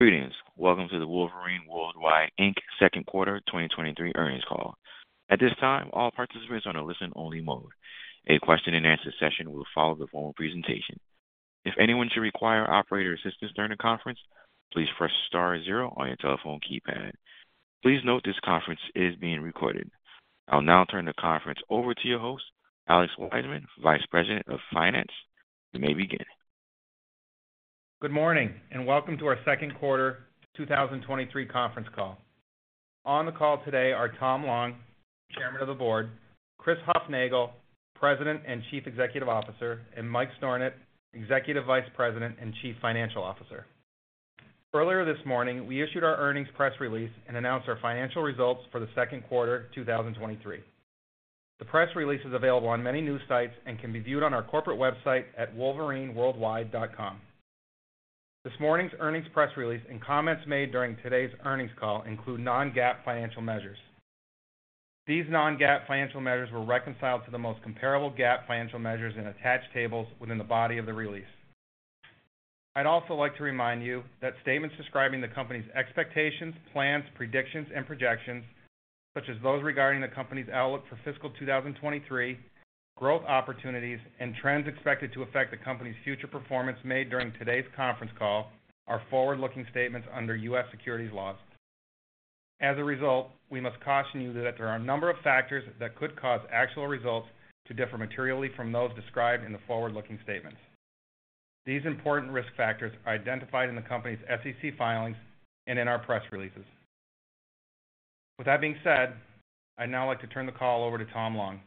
Greetings. Welcome to the Wolverine Worldwide Inc. second quarter 2023 earnings call. At this time, all participants are on a listen-only mode. A question-and-answer session will follow the formal presentation. If anyone should require operator assistance during the conference, please press star zero on your telephone keypad. Please note, this conference is being recorded. I'll now turn the conference over to your host, Alex Wiseman, Vice President of Finance. You may begin. Good morning, welcome to our second quarter 2023 conference call. On the call today are Tom Long, Chairman of the Board, Chris Hufnagel, President and Chief Executive Officer, and Michael Stornant, Executive Vice President and Chief Financial Officer. Earlier this morning, we issued our earnings press release and announced our financial results for the second quarter 2023. The press release is available on many news sites and can be viewed on our corporate website at wolverineworldwide.com. This morning's earnings press release and comments made during today's earnings call include non-GAAP financial measures. These non-GAAP financial measures were reconciled to the most comparable GAAP financial measures in attached tables within the body of the release. I'd also like to remind you that statements describing the company's expectations, plans, predictions, and projections, such as those regarding the company's outlook for fiscal 2023, growth opportunities, and trends expected to affect the company's future performance made during today's conference call, are forward-looking statements under US securities laws. As a result, we must caution you that there are a number of factors that could cause actual results to differ materially from those described in the forward-looking statements. These important risk factors are identified in the Company's SEC Filings and in our press releases. With that being said, I'd now like to turn the call over to Tom Long.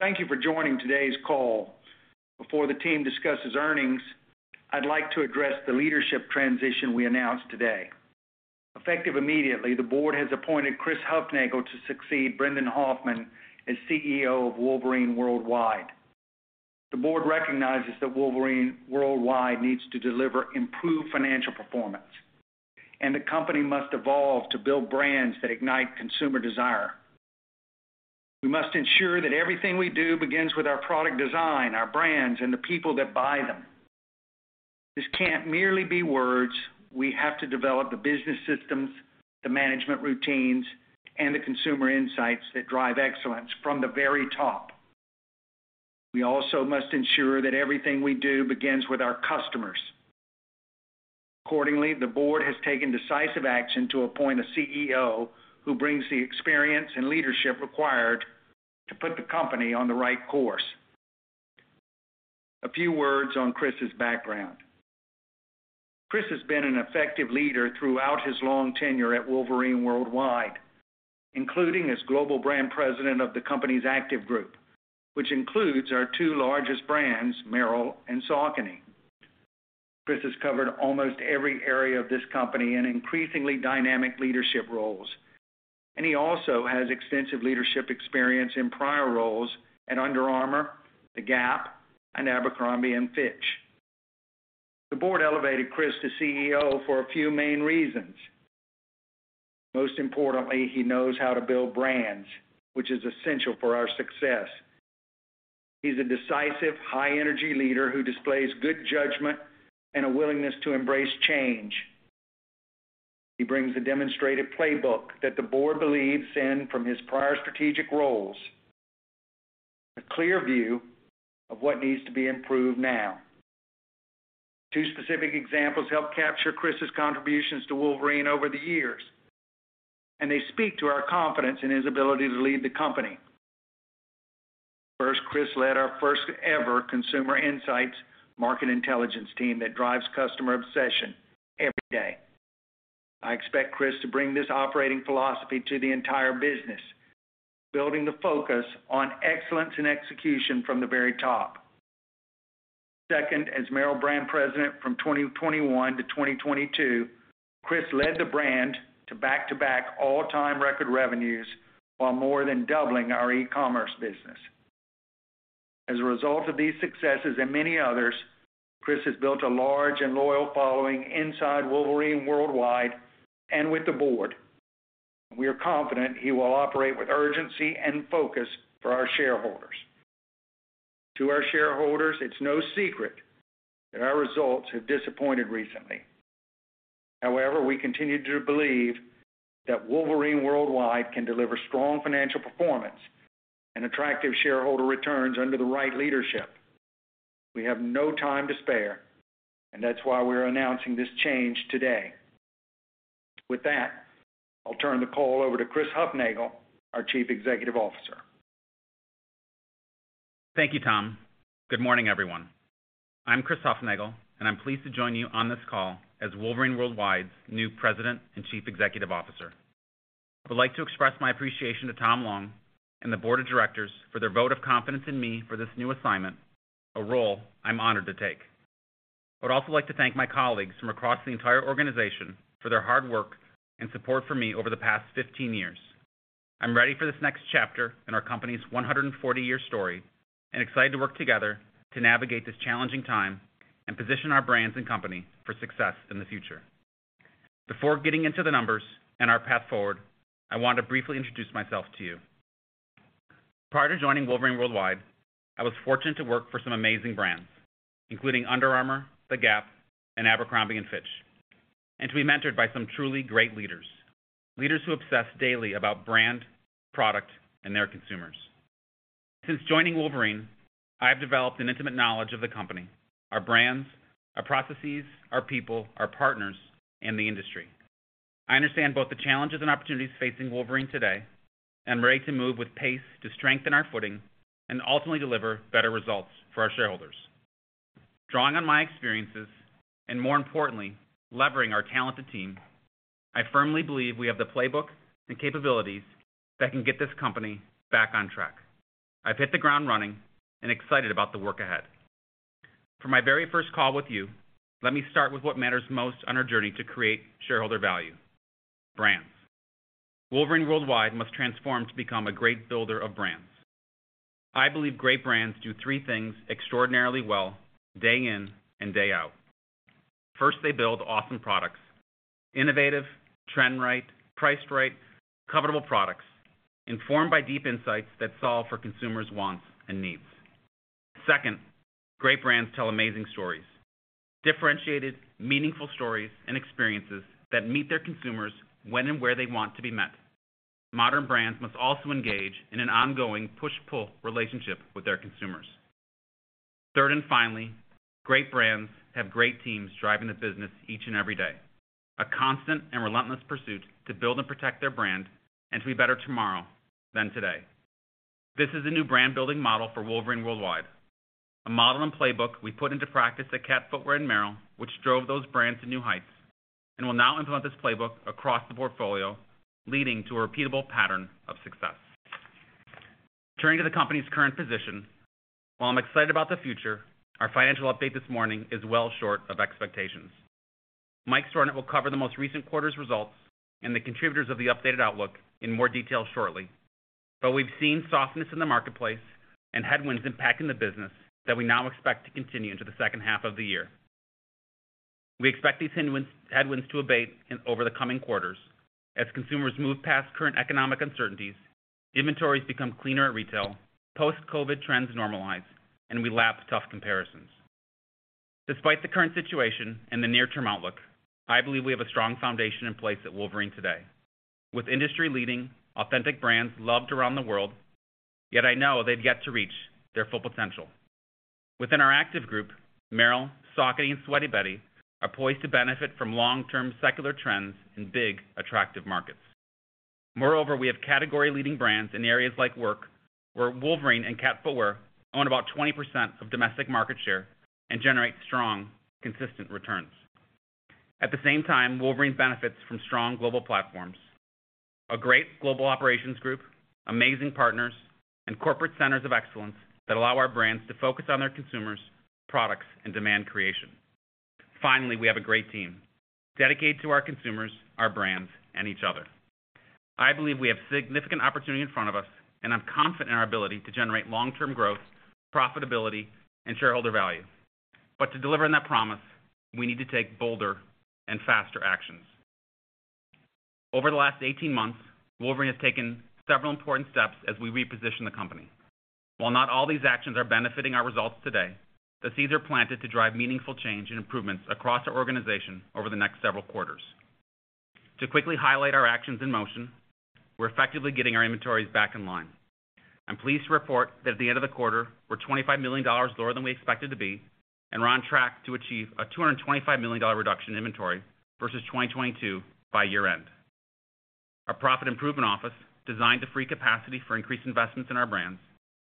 Thank you for joining today's call. Before the team discusses earnings, I'd like to address the leadership transition we announced today. Effective immediately, the board has appointed Chris Hufnagel to succeed Brendan Hoffman as CEO of Wolverine Worldwide. The board recognizes that Wolverine Worldwide needs to deliver improved financial performance, and the company must evolve to build brands that ignite consumer desire. We must ensure that everything we do begins with our product design, our brands, and the people that buy them. This can't merely be words. We have to develop the business systems, the management routines, and the consumer insights that drive excellence from the very top. We also must ensure that everything we do begins with our customers. Accordingly, the board has taken decisive action to appoint a CEO who brings the experience and leadership required to put the company on the right course. A few words on Chris's background. Chris has been an effective leader throughout his long tenure at Wolverine Worldwide, including as Global Brand President of the company's Active Group, which includes our two largest brands, Merrell and Saucony. He also has extensive leadership experience in prior roles at Under Armour, The Gap, and Abercrombie & Fitch. The board elevated Chris to CEO for a few main reasons. Most importantly, he knows how to build brands, which is essential for our success. He's a decisive, high-energy leader who displays good judgment and a willingness to embrace change. He brings a demonstrated playbook that the board believes in from his prior strategic roles, a clear view of what needs to be improved now. Two specific examples help capture Chris' contributions to Wolverine over the years. They speak to our confidence in his ability to lead the company. First, Chris led our first-ever consumer insights market intelligence team that drives customer obsession every day. I expect Chris to bring this operating philosophy to the entire business, building the focus on excellence and execution from the very top. Second, as Merrell brand president from 2021 to 2022, Chris led the brand to back-to-back all-time record revenues, while more than doubling our e-commerce business. As a result of these successes and many others, Chris has built a large and loyal following inside Wolverine Worldwide and with the board. We are confident he will operate with urgency and focus for our shareholders. To our shareholders, it's no secret that our results have disappointed recently. However, we continue to believe that Wolverine Worldwide can deliver strong financial performance and attractive shareholder returns under the right leadership. We have no time to spare, and that's why we're announcing this change today. With that, I'll turn the call over to Chris Hufnagel, our Chief Executive Officer. Thank you, Tom. Good morning, everyone. I'm Chris Hufnagel. I'm pleased to join you on this call as Wolverine Worldwide's new President and Chief Executive Officer. I would like to express my appreciation to Tom Long and the board of directors for their vote of confidence in me for this new assignment, a role I'm honored to take. I would also like to thank my colleagues from across the entire organization for their hard work and support for me over the past 15 years. I'm ready for this next chapter in our company's 140-year story. Excited to work together to navigate this challenging time and position our brands and company for success in the future. Before getting into the numbers and our path forward, I want to briefly introduce myself to you. Prior to joining Wolverine Worldwide, I was fortunate to work for some amazing brands, including Under Armour, The Gap, and Abercrombie & Fitch, and to be mentored by some truly great leaders, leaders who obsess daily about brand, product, and their consumers. Since joining Wolverine, I have developed an intimate knowledge of the company, our brands, our processes, our people, our partners, and the industry. I understand both the challenges and opportunities facing Wolverine today, and ready to move with pace to strengthen our footing and ultimately deliver better results for our shareholders. Drawing on my experiences, and more importantly, leveraging our talented team, I firmly believe we have the playbook and capabilities that can get this company back on track. I've hit the ground running and excited about the work ahead. For my very first call with you, let me start with what matters most on our journey to create shareholder value: brands. Wolverine Worldwide must transform to become a great builder of brands. I believe great brands do three things extraordinarily well, day in and day out. First, they build awesome products, innovative, trend-right, priced right, comfortable products, informed by deep insights that solve for consumers' wants and needs. Second, great brands tell amazing stories, differentiated, meaningful stories and experiences that meet their consumers when and where they want to be met. Modern brands must also engage in an ongoing push-pull relationship with their consumers. Third, and finally, great brands have great teams driving the business each and every day. A constant and relentless pursuit to build and protect their brand and to be better tomorrow than today. This is a new brand building model for Wolverine Worldwide, a model and playbook we put into practice at Keds Footwear and Merrell, which drove those brands to new heights, and will now implement this playbook across the portfolio, leading to a repeatable pattern of success. Turning to the company's current position, while I'm excited about the future, our financial update this morning is well short of expectations. Mike Stornant will cover the most recent quarter's results and the contributors of the updated outlook in more detail shortly. We've seen softness in the marketplace and headwinds impacting the business that we now expect to continue into the second half of the year. We expect these headwinds, headwinds to abate over the coming quarters as consumers move past current economic uncertainties, inventories become cleaner at retail, post-COVID trends normalize, and we lap tough comparisons. Despite the current situation and the near-term outlook, I believe we have a strong foundation in place at Wolverine today. With industry-leading, authentic brands loved around the world, yet I know they've yet to reach their full potential. Within our Active Group, Merrell, Saucony, and Sweaty Betty are poised to benefit from long-term secular trends in big, attractive markets. Moreover, we have category-leading brands in areas like work, where Wolverine and Keds Footwear own about 20% of domestic market share and generate strong, consistent returns. At the same time, Wolverine benefits from strong global platforms, a great global operations group, amazing partners, and corporate centers of excellence that allow our brands to focus on their consumers, products, and demand creation. Finally, we have a great team, dedicated to our consumers, our brands, and each other. I believe we have significant opportunity in front of us, and I'm confident in our ability to generate long-term growth, profitability, and shareholder value. To deliver on that promise, we need to take bolder and faster actions. Over the last 18 months, Wolverine has taken several important steps as we reposition the company. While not all these actions are benefiting our results today, the seeds are planted to drive meaningful change and improvements across our organization over the next several quarters. To quickly highlight our actions in motion, we're effectively getting our inventories back in line. I'm pleased to report that at the end of the quarter, we're $25 million lower than we expected to be, and we're on track to achieve a $225 million reduction in inventory versus 2022 by year-end. Our profit improvement office, designed to free capacity for increased investments in our brands,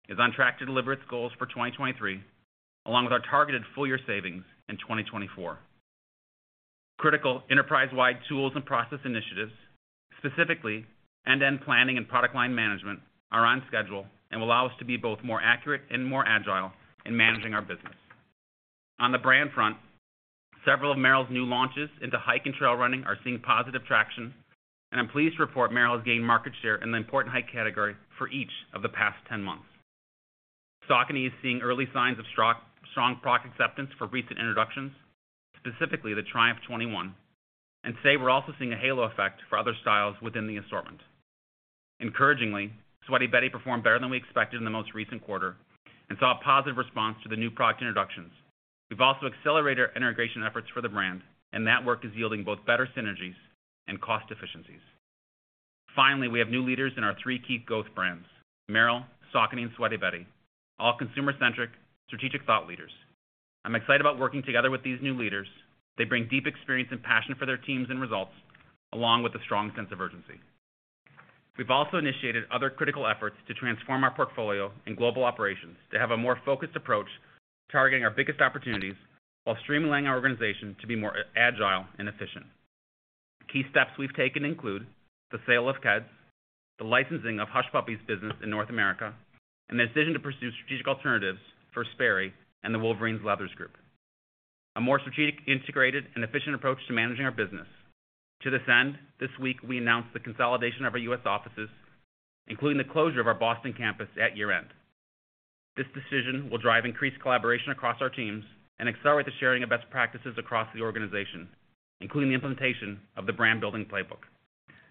is on track to deliver its goals for 2023, along with our targeted full year savings in 2024. Critical enterprise-wide tools and process initiatives, specifically end-to-end planning and product line management, are on schedule and will allow us to be both more accurate and more agile in managing our business. On the brand front, several of Merrell's new launches into hike and trail running are seeing positive traction, and I'm pleased to report Merrell has gained market share in the important hike category for each of the past 10 months. Saucony is seeing early signs of strong, strong product acceptance for recent introductions, specifically the Triumph 21, and today we're also seeing a halo effect for other styles within the assortment. Encouragingly, Sweaty Betty performed better than we expected in the most recent quarter and saw a positive response to the new product introductions. We've also accelerated our integration efforts for the brand, and that work is yielding both better synergies and cost efficiencies. Finally, we have new leaders in our three key growth brands, Merrell, Saucony, and Sweaty Betty, all consumer-centric, strategic thought leaders. I'm excited about working together with these new leaders. They bring deep experience and passion for their teams and results, along with a strong sense of urgency. We've also initiated other critical efforts to transform our portfolio and global operations to have a more agile and efficient. Key steps we've taken include the sale of Keds, the licensing of Hush Puppies business in North America, and the decision to pursue strategic alternatives for Sperry and the Wolverine Leathers group. A more strategic, integrated, and efficient approach to managing our business. To this end, this week we announced the consolidation of our US offices, including the closure of our Boston campus at year-end. This decision will drive increased collaboration across our teams and accelerate the sharing of best practices across the organization, including the implementation of the brand building playbook.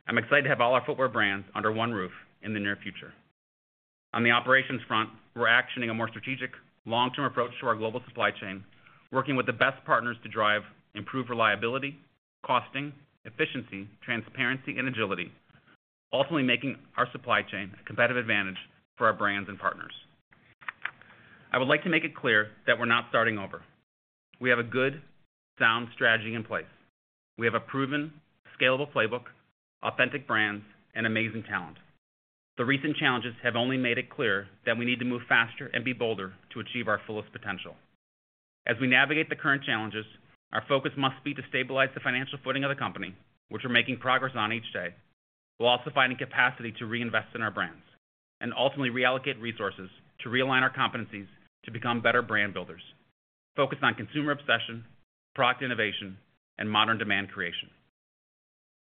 I'm excited to have all our footwear brands under one roof in the near future. On the operations front, we're actioning a more strategic, long-term approach to our global supply chain, working with the best partners to drive improved reliability, costing, efficiency, transparency, and agility, ultimately making our supply chain a competitive advantage for our brands and partners. I would like to make it clear that we're not starting over. We have a good, sound strategy in place. We have a proven, scalable playbook, authentic brands, and amazing talent. The recent challenges have only made it clear that we need to move faster and be bolder to achieve our fullest potential. As we navigate the current challenges, our focus must be to stabilize the financial footing of the company, which we're making progress on each day, while also finding capacity to reinvest in our brands and ultimately reallocate resources to realign our competencies to become better brand builders, focused on consumer obsession, product innovation, and modern demand creation.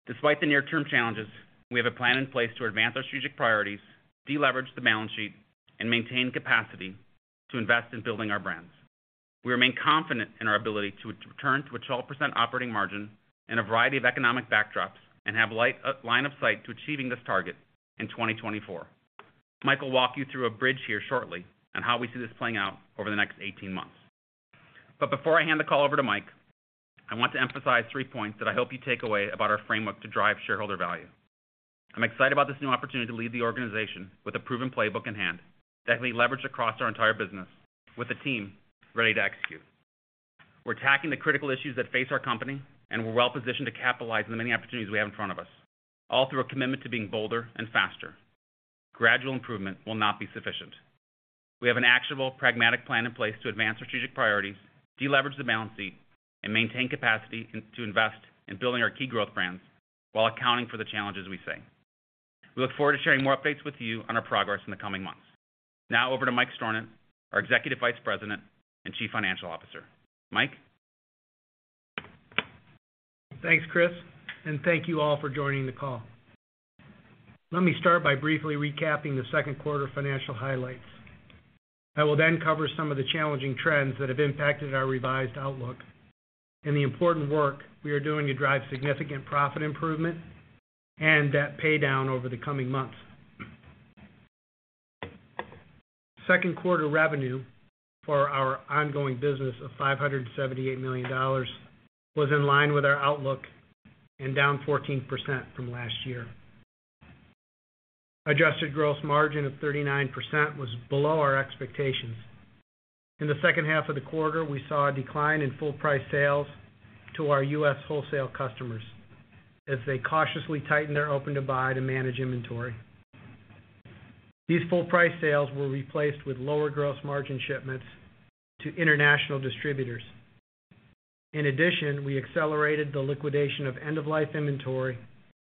Despite the near-term challenges, we have a plan in place to advance our strategic priorities, deleverage the balance sheet, and maintain capacity to invest in building our brands. We remain confident in our ability to return to a 12% operating margin in a variety of economic backdrops and have line of sight to achieving this target in 2024. Mike will walk you through a bridge here shortly on how we see this playing out over the next 18 months. Before I hand the call over to Michael, I want to emphasize three points that I hope you take away about our framework to drive shareholder value. I'm excited about this new opportunity to lead the organization with a proven playbook in hand that can be leveraged across our entire business with a team ready to execute. We're tackling the critical issues that face our company, and we're well positioned to capitalize on the many opportunities we have in front of us, all through a commitment to being bolder and faster. Gradual improvement will not be sufficient. We have an actionable, pragmatic plan in place to advance strategic priorities, deleverage the balance sheet, and maintain capacity to invest in building our key growth brands while accounting for the challenges we face. We look forward to sharing more updates with you on our progress in the coming months. Over to Michael Stornant, our Executive Vice President and Chief Financial Officer. Michael? Thanks, Chris. Thank you all for joining the call. Let me start by briefly recapping the second quarter financial highlights. I will then cover some of the challenging trends that have impacted our revised outlook and the important work we are doing to drive significant profit improvement and debt paydown over the coming months. Second quarter revenue for our ongoing business of $578 million was in line with our outlook and down 14% from last year. Adjusted gross margin of 39% was below our expectations. In the second half of the quarter, we saw a decline in full price sales to our US wholesale customers as they cautiously tightened their open-to-buy to manage inventory. These full price sales were replaced with lower gross margin shipments to international distributors. In addition, we accelerated the liquidation of end-of-life inventory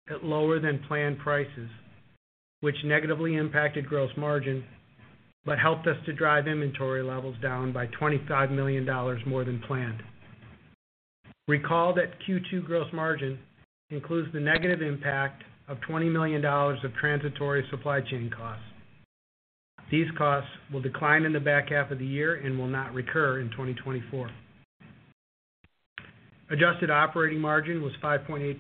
at lower than planned prices, which negatively impacted gross margin, helped us to drive inventory levels down by $25 million more than planned. Recall that Q2 Gross Margin includes the negative impact of $20 million of transitory supply chain costs. These costs will decline in the back half of the year and will not recur in 2024. Adjusted Operating Margin was 5.8%,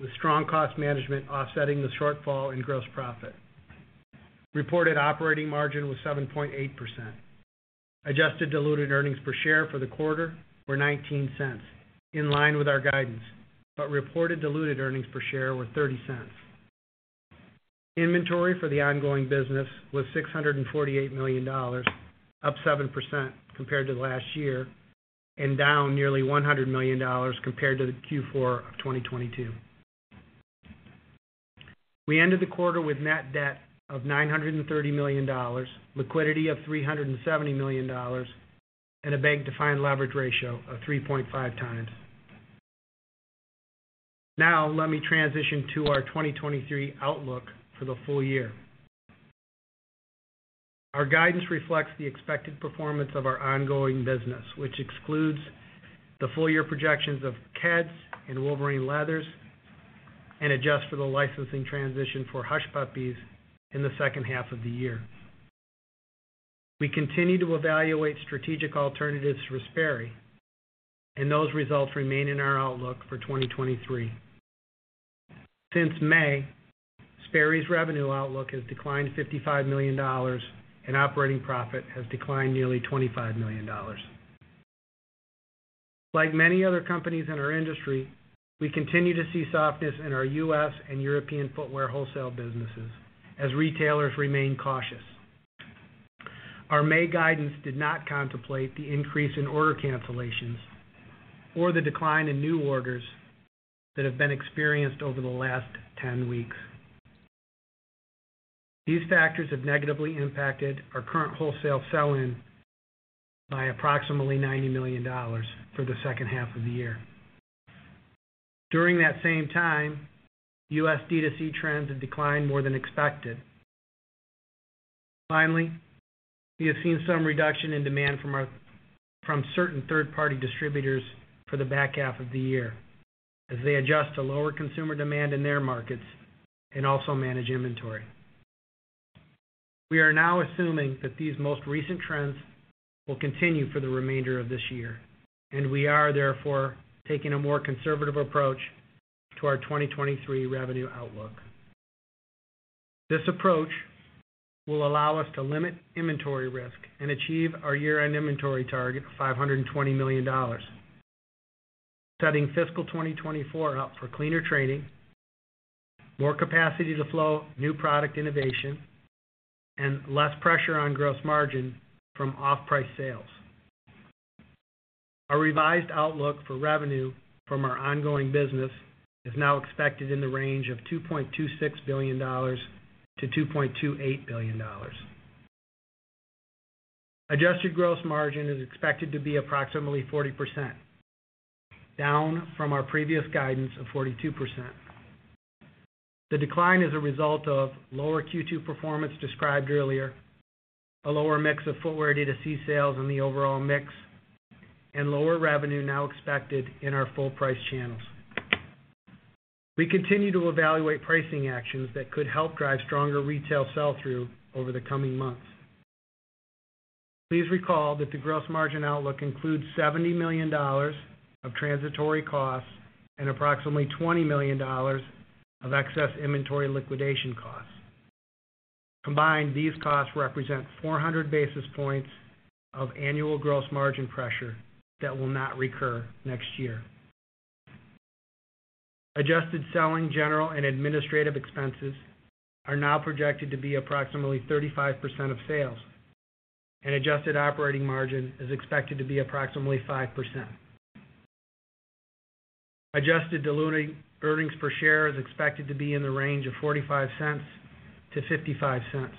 with strong cost management offsetting the shortfall in gross profit. Reported operating margin was 7.8%. Adjusted diluted earnings per share for the quarter were $0.19, in line with our guidance, reported diluted earnings per share were $0.30. Inventory for the ongoing business was $648 million, up 7% compared to last year, and down nearly $100 million compared to the Q4 of 2022. We ended the quarter with net debt of $930 million, liquidity of $370 million, and a bank-defined leverage ratio of 3.5 times. Now, let me transition to our 2023 outlook for the full year. Our guidance reflects the expected performance of our ongoing business, which excludes the full year projections of Keds and Wolverine Leathers, and adjusts for the licensing transition for Hush Puppies in the second half of the year. We continue to evaluate strategic alternatives for Sperry, and those results remain in our outlook for 2023. Since May, Sperry's revenue outlook has declined $55 million, and operating profit has declined nearly $25 million. Like many other companies in our industry, we continue to see softness in our US and European footwear wholesale businesses as retailers remain cautious. Our May guidance did not contemplate the increase in order cancellations or the decline in new orders that have been experienced over the last 10 weeks. These factors have negatively impacted our current wholesale sell-in by approximately $90 million for the second half of the year. During that same time, US DTC trends have declined more than expected. Finally, we have seen some reduction in demand from certain third-party distributors for the back half of the year, as they adjust to lower consumer demand in their markets and also manage inventory. We are now assuming that these most recent trends will continue for the remainder of this year, and we are therefore, taking a more conservative approach to our 2023 revenue outlook. This approach will allow us to limit inventory risk and achieve our year-end inventory target of $520 million, setting fiscal 2024 up for cleaner trading, more capacity to flow new product innovation, and less pressure on gross margin from off-price sales. Our revised outlook for revenue from our ongoing business is now expected in the range of $2.26 billion-$2.28 billion. Adjusted gross margin is expected to be approximately 40%, down from our previous guidance of 42%. The decline is a result of lower Q2 performance described earlier, a lower mix of footwear D2C sales in the overall mix, and lower revenue now expected in our full-price channels. We continue to evaluate pricing actions that could help drive stronger retail sell-through over the coming months. Please recall that the Gross Margin outlook includes $70 million of transitory costs and approximately $20 million of excess inventory liquidation costs. Combined, these costs represent 400 basis points of annual gross margin pressure that will not recur next year. Adjusted selling, general, and administrative expenses are now projected to be approximately 35% of sales, and adjusted operating margin is expected to be approximately 5%. Adjusted diluted earnings per share is expected to be in the range of $0.45-$0.55.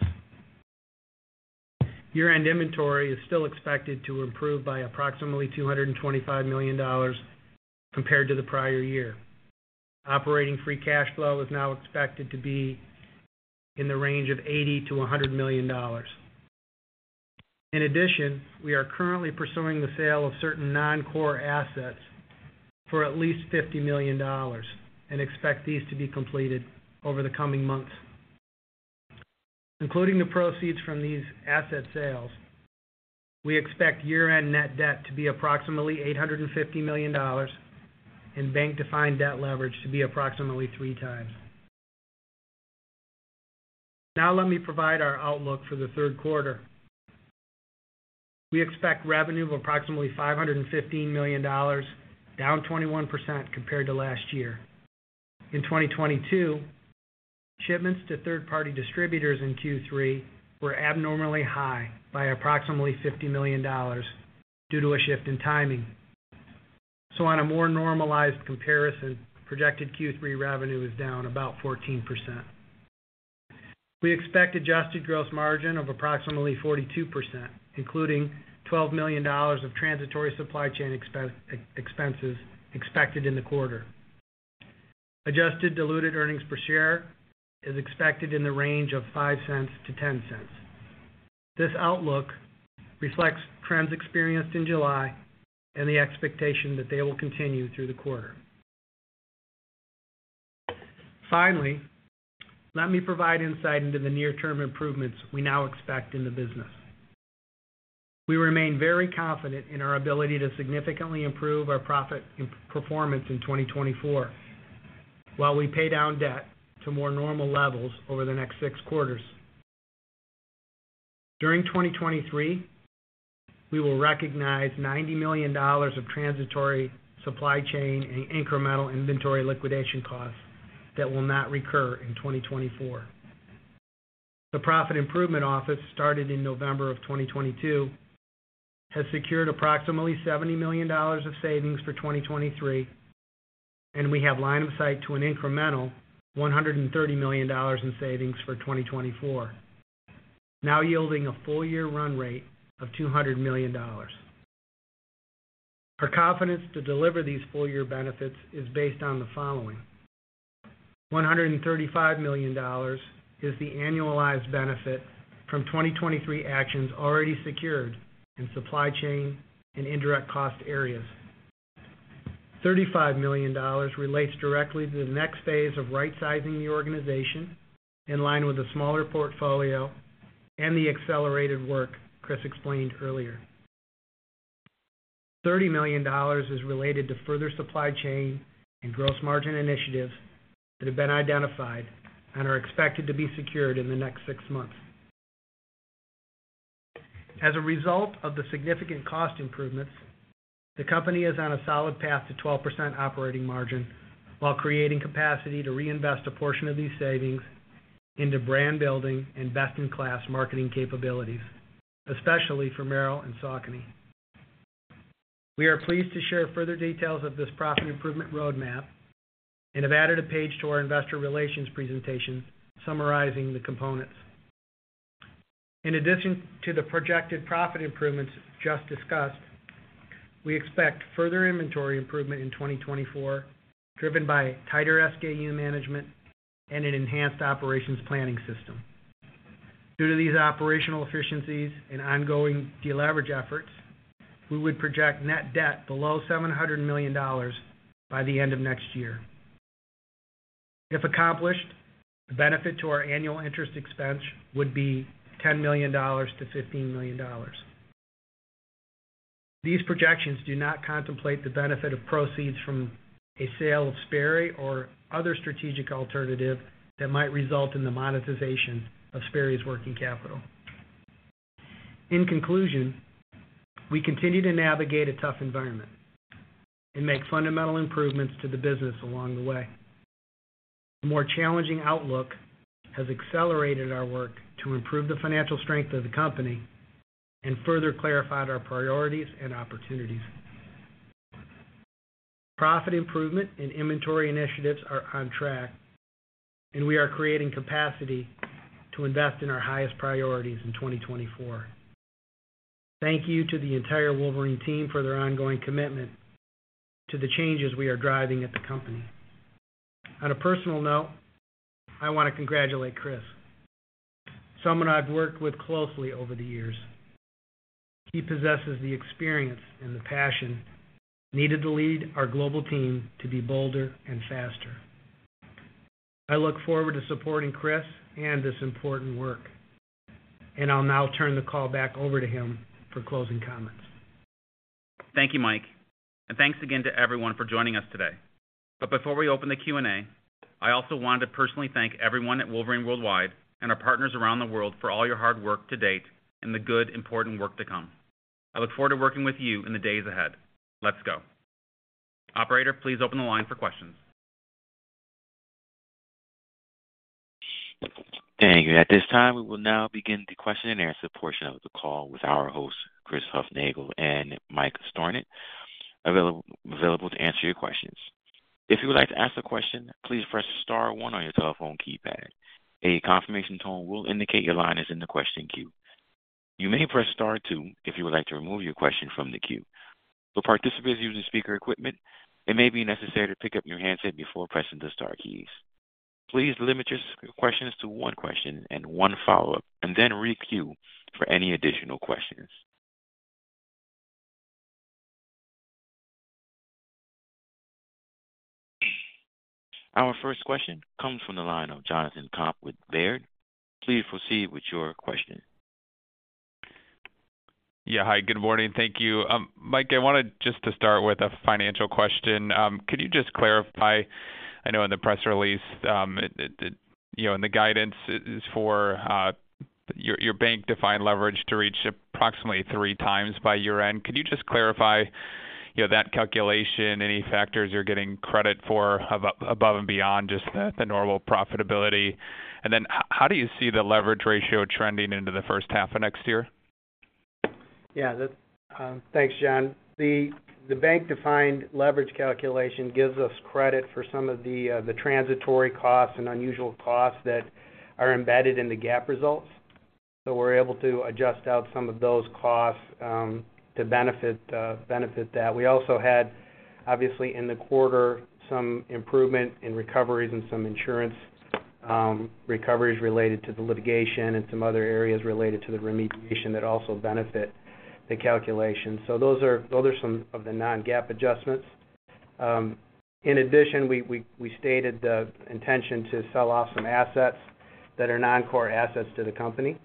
Year-end inventory is still expected to improve by approximately $225 million compared to the prior year. Operating free cash flow is now expected to be in the range of $80 million-$100 million. We are currently pursuing the sale of certain non-core assets for at least $50 million and expect these to be completed over the coming months. Including the proceeds from these asset sales, we expect year-end net debt to be approximately $850 million, and bank-defined debt leverage to be approximately three times. Let me provide our outlook for the third quarter. We expect revenue of approximately $515 million, down 21% compared to last year. In 2022, shipments to third-party distributors in Q3 were abnormally high by approximately $50 million due to a shift in timing. On a more normalized comparison, projected Q3 revenue is down about 14%. We expect adjusted gross margin of approximately 42%, including $12 million of transitory supply chain expenses expected in the quarter. Adjusted diluted earnings per share is expected in the range of $0.05-$0.10. This outlook reflects trends experienced in July and the expectation that they will continue through the quarter. Finally, let me provide insight into the near-term improvements we now expect in the business. We remain very confident in our ability to significantly improve our profit and performance in 2024, while we pay down debt to more normal levels over the next six quarters. During 2023, we will recognize $90 million of transitory supply chain and incremental inventory liquidation costs that will not recur in 2024. The profit improvement office, started in November of 2022, has secured approximately $70 million of savings for 2023, and we have line of sight to an incremental $130 million in savings for 2024, now yielding a full year run rate of $200 million. Our confidence to deliver these full year benefits is based on the following: $135 million is the annualized benefit from 2023 actions already secured in supply chain and indirect cost areas. $35 million relates directly to the next phase of rightsizing the organization, in line with a smaller portfolio and the accelerated work Chris explained earlier. $30 million is related to further supply chain and gross margin initiatives that have been identified and are expected to be secured in the next six months. As a result of the significant cost improvements, the company is on a solid path to 12% operating margin, while creating capacity to reinvest a portion of these savings into brand building and best-in-class marketing capabilities, especially for Merrell and Saucony. We are pleased to share further details of this profit improvement roadmap and have added a page to our investor relations presentation summarizing the components. In addition to the projected profit improvements just discussed, we expect further inventory improvement in 2024, driven by tighter SKU management and an enhanced operations planning system. Due to these operational efficiencies and ongoing deleverage efforts, we would project net debt below $700 million by the end of next year. If accomplished, the benefit to our annual interest expense would be $10 million-$15 million. These projections do not contemplate the benefit of proceeds from a sale of Sperry or other strategic alternative that might result in the monetization of Sperry's working capital. In conclusion, we continue to navigate a tough environment and make fundamental improvements to the business along the way. A more challenging outlook has accelerated our work to improve the financial strength of the company and further clarified our priorities and opportunities. Profit improvement and inventory initiatives are on track. We are creating capacity to invest in our highest priorities in 2024. Thank you to the entire Wolverine team for their ongoing commitment to the changes we are driving at the company. On a personal note, I want to congratulate Chris, someone I've worked with closely over the years. He possesses the experience and the passion needed to lead our global team to be bolder and faster. I look forward to supporting Chris and this important work. I'll now turn the call back over to him for closing comments. Thank you, Michael, and thanks again to everyone for joining us today. Before we open the Q&A, I also want to personally thank everyone at Wolverine Worldwide and our partners around the world for all your hard work to date and the good, important work to come. I look forward to working with you in the days ahead. Let's go. Operator, please open the line for questions. Thank you. At this time, we will now begin the question-and-answer portion of the call with our hosts, Chris Hufnagel and Michael Stornant, available to answer your questions. If you would like to ask a question, please press star one on your telephone keypad. A confirmation tone will indicate your line is in the question queue. You may press star two if you would like to remove your question from the queue. For participants using speaker equipment, it may be necessary to pick up your handset before pressing the star keys. Please limit your questions to one question and one follow-up, and then re-queue for any additional questions. Our first question comes from the line of Jonathan Komp with Baird. Please proceed with your question. Yeah, hi, good morning. Thank you. Michael, I wanted just to start with a financial question. Could you just clarify? I know in the press release, you know, in the guidance is for bank-defined leverage to reach approximately three times by year-end. Could you just clarify, you know, that calculation, any factors you're getting credit for above and beyond just the normal profitability? How do you see the leverage ratio trending into the first half of next year? Yeah, that... thanks, Jonathan. The, the bank-defined leverage calculation gives us credit for some of the transitory costs and unusual costs that are embedded in the GAAP results. We're able to adjust out some of those costs to benefit that. We also had, obviously, in the quarter, some improvement in recoveries and some insurance recoveries related to the litigation and some other areas related to the remediation that also benefit the calculation. Those are, those are some of the non-GAAP adjustments. In addition, we, we, we stated the intention to sell off some assets that are non-core assets to the company.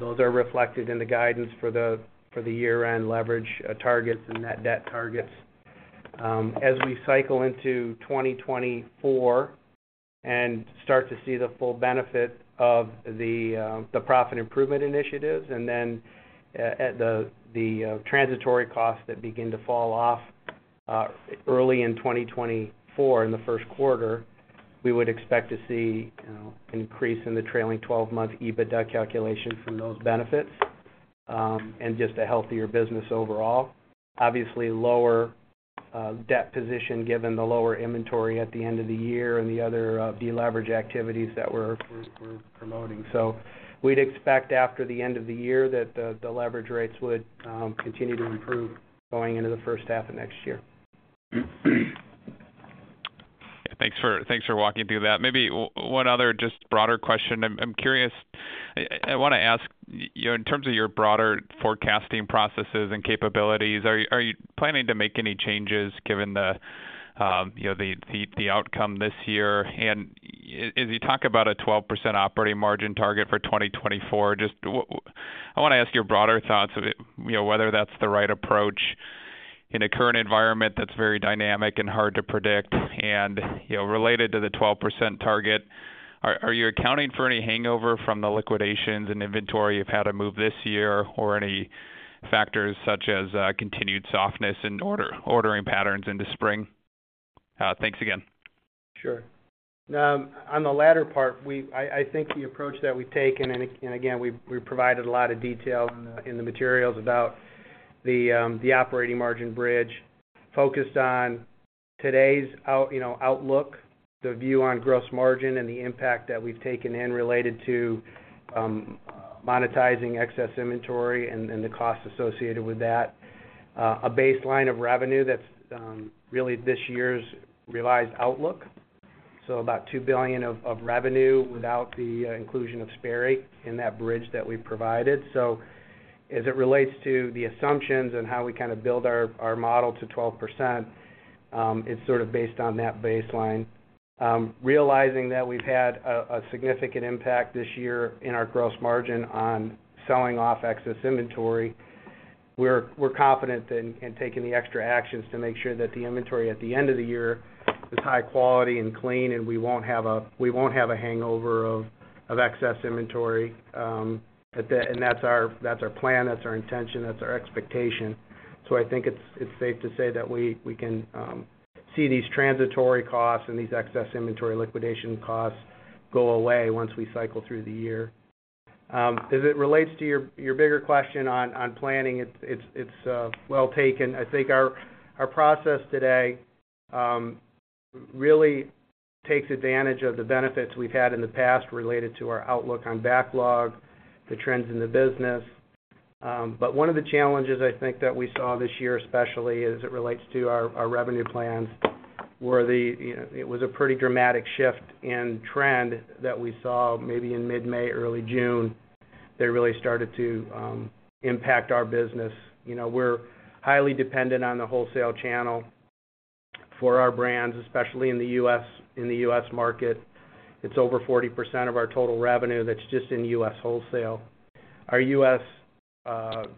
Those are reflected in the guidance for the year-end leverage targets and net debt targets. As we cycle into 2024 and start to see the full benefit of the profit improvement initiatives, and then at the, the, transitory costs that begin to fall off early in 2024, in the 1st quarter, we would expect to see, you know, an increase in the trailing 12-month EBITDA calculation from those benefits, and just a healthier business overall. Obviously, lower debt position, given the lower inventory at the end of the year and the other deleverage activities that we're, we're, we're promoting. We'd expect after the end of the year that the, the leverage rates would continue to improve going into the 1st half of next year. Thanks for, thanks for walking through that. Maybe one other just broader question. I'm, I'm curious. I, I wanna ask you, in terms of your broader forecasting processes and capabilities, are, are you planning to make any changes given the, you know, the, the, the outcome this year? As you talk about a 12% operating margin target for 2024, just what... I wanna ask your broader thoughts of it. You know, whether that's the right approach in a current environment that's very dynamic and hard to predict. You know, related to the 12% target, are, are you accounting for any hangover from the liquidations and inventory you've had to move this year, or any factors such as, continued softness in ordering patterns into spring? Thanks again. Sure. On the latter part, I, I think the approach that we've taken, and again, we've provided a lot of detail in the materials about the operating margin bridge, focused on today's out, you know, outlook, the view on gross margin and the impact that we've taken in related to monetizing excess inventory and the costs associated with that. A baseline of revenue that's really this year's revised outlook. About $2 billion of revenue without the inclusion of Sperry in that bridge that we provided. As it relates to the assumptions and how we kind of build our model to 12%, it's sort of based on that baseline. Realizing that we've had a, a significant impact this year in our gross margin on selling off excess inventory, we're, we're confident in, in taking the extra actions to make sure that the inventory at the end of the year is high quality and clean, and we won't have a-- we won't have a hangover of, of excess inventory. That-- and that's our, that's our plan, that's our intention, that's our expectation. I think it's, it's safe to say that we, we can see these transitory costs and these excess inventory liquidation costs go away once we cycle through the year. As it relates to your, your bigger question on, on planning, it's, it's, it's well taken. I think our, our process today, really takes advantage of the benefits we've had in the past related to our outlook on backlog, the trends in the business. But one of the challenges I think that we saw this year, especially as it relates to our, our revenue plans, were the, you know, it was a pretty dramatic shift in trend that we saw maybe in mid-May, early June, that really started to impact our business. You know, we're highly dependent on the wholesale channel for our brands, especially in the U.S. In the US market, it's over 40% of our total revenue that's just in US wholesale. Our US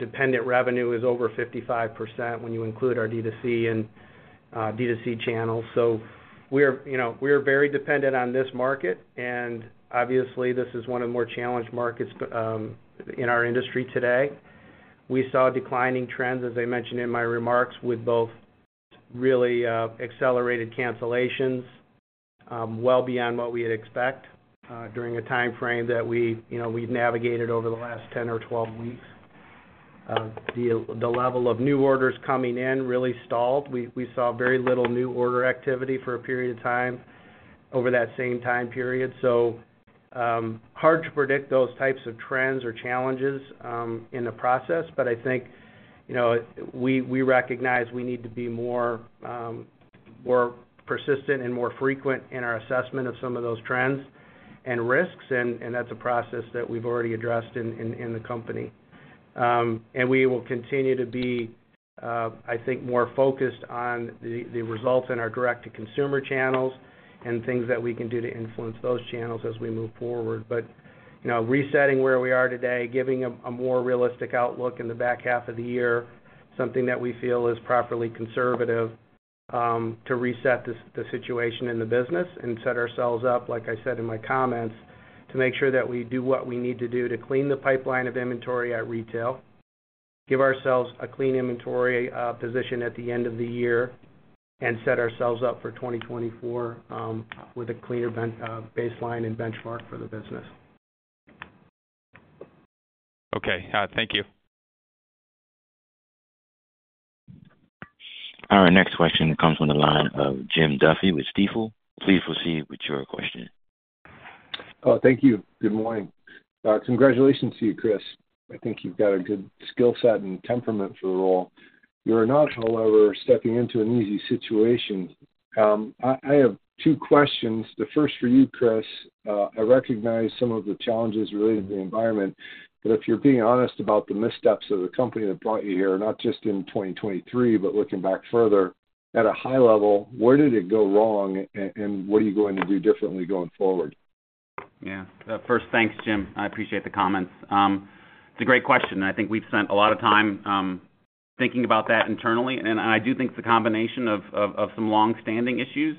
dependent revenue is over 55% when you include our D2C and D2C channels. We're, you know, we're very dependent on this market, and obviously, this is one of the more challenged markets in our industry today. We saw declining trends, as I mentioned in my remarks, with both really accelerated cancellations, well beyond what we had expect during a time frame that we, you know, we've navigated over the last 10 or 12 weeks. The level of new orders coming in really stalled. We saw very little new order activity for a period of time over that same time period. Hard to predict those types of trends or challenges in the process, but I think, you know, we, we recognize we need to be more persistent and more frequent in our assessment of some of those trends and risks, and that's a process that we've already addressed in the company. And we will continue to be, I think, more focused on the results in our direct-to-consumer channels and things that we can do to influence those channels as we move forward. you know, resetting where we are today, giving a, a more realistic outlook in the back half of the year, something that we feel is properly conservative, to reset the situation in the business and set ourselves up, like I said in my comments, to make sure that we do what we need to do to clean the pipeline of inventory at retail, give ourselves a clean inventory position at the end of the year, and set ourselves up for 2024, with a cleaner ben-- baseline and benchmark for the business. Okay. Thank you. Our next question comes from the line of Jim Duffy with Stifel. Please proceed with your question. Oh, thank you. Good morning. Congratulations to you, Chris. I think you've got a good skill set and temperament for the role. You are not, however, stepping into an easy situation. I, I have two questions. The first for you, Chris. I recognize some of the challenges related to the environment, but if you're being honest about the missteps of the company that brought you here, not just in 2023, but looking back further, at a high level, where did it go wrong, and what are you going to do differently going forward? Yeah. First, thanks, Jim. I appreciate the comments. It's a great question, and I think we've spent a lot of time thinking about that internally, and I do think it's a combination of, of, of some long-standing issues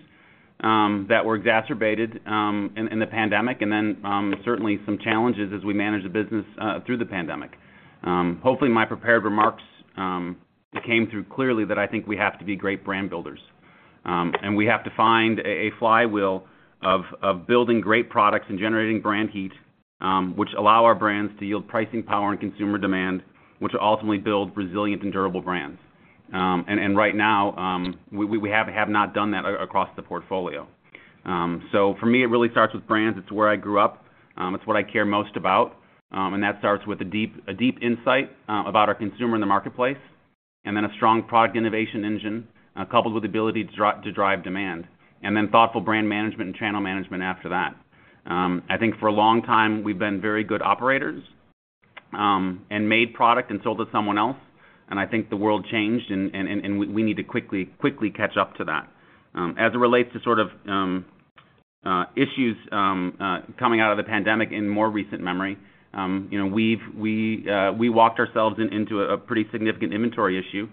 that were exacerbated in, in the pandemic, and then certainly some challenges as we managed the business through the pandemic. Hopefully, my prepared remarks came through clearly that I think we have to be great brand builders, and we have to find a, a flywheel of, of building great products and generating brand heat, which allow our brands to yield pricing power and consumer demand, which will ultimately build resilient and durable brands. Right now, we, we have, have not done that a-across the portfolio. For me, it really starts with brands. It's where I grew up, it's what I care most about. That starts with a deep, a deep insight about our consumer in the marketplace, and then a strong product innovation engine, coupled with the ability to drive demand, and then thoughtful brand management and channel management after that. I think for a long time, we've been very good operators, and made product and sold to someone else, and I think the world changed, and, and, and we, we need to quickly, quickly catch up to that. As it relates to sort of, issues, coming out of the pandemic in more recent memory, you know, we, we walked ourselves in, into a, a pretty significant inventory issue,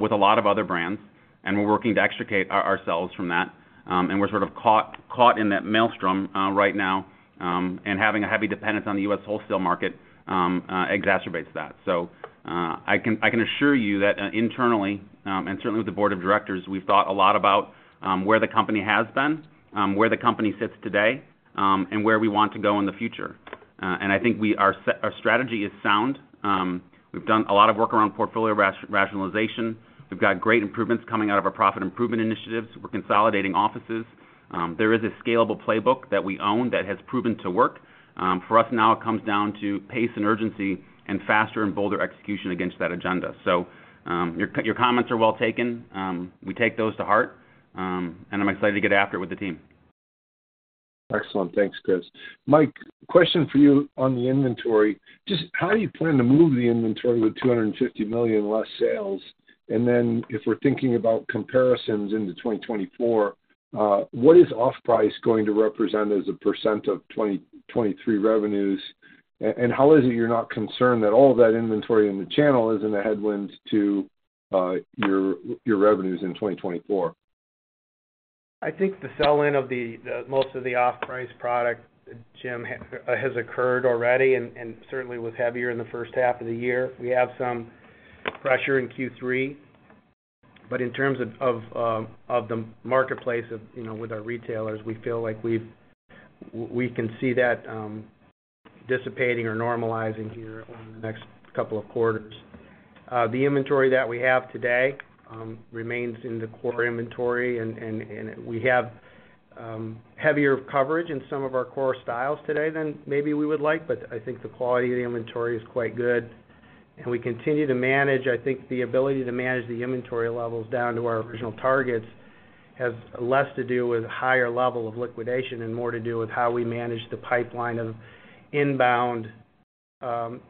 with a lot of other brands, and we're working to extricate ourselves from that. We're sort of caught, caught in that maelstrom, right now, and having a heavy dependence on the US wholesale market, exacerbates that. I can, I can assure you that, internally, and certainly with the board of directors, we've thought a lot about, where the company has been, where the company sits today, and where we want to go in the future. I think our strategy is sound. We've done a lot of work around portfolio rationalization. We've got great improvements coming out of our profit improvement initiatives. We're consolidating offices.... there is a scalable playbook that we own that has proven to work. For us now, it comes down to pace and urgency and faster and bolder execution against that agenda. Your your comments are well taken. We take those to heart, and I'm excited to get after it with the team. Excellent. Thanks, Chris. Michael, question for you on the inventory. Just how do you plan to move the inventory with $250 million less sales? If we're thinking about comparisons into 2024, what is off price going to represent as a % of 2023 revenues? How is it you're not concerned that all of that inventory in the channel isn't a headwind to your revenues in 2024? I think the sell-in of the most of the off-price product, Jim, has occurred already, and certainly was heavier in the first half of the year. We have some pressure in Q3, but in terms of of the marketplace of, you know, with our retailers, we feel like we can see that dissipating or normalizing here over the next couple of quarters. The inventory that we have today remains in the core inventory, and we have heavier coverage in some of our core styles today than maybe we would like, but I think the quality of the inventory is quite good, and we continue to manage. I think the ability to manage the inventory levels down to our original targets has less to do with higher level of liquidation and more to do with how we manage the pipeline of inbound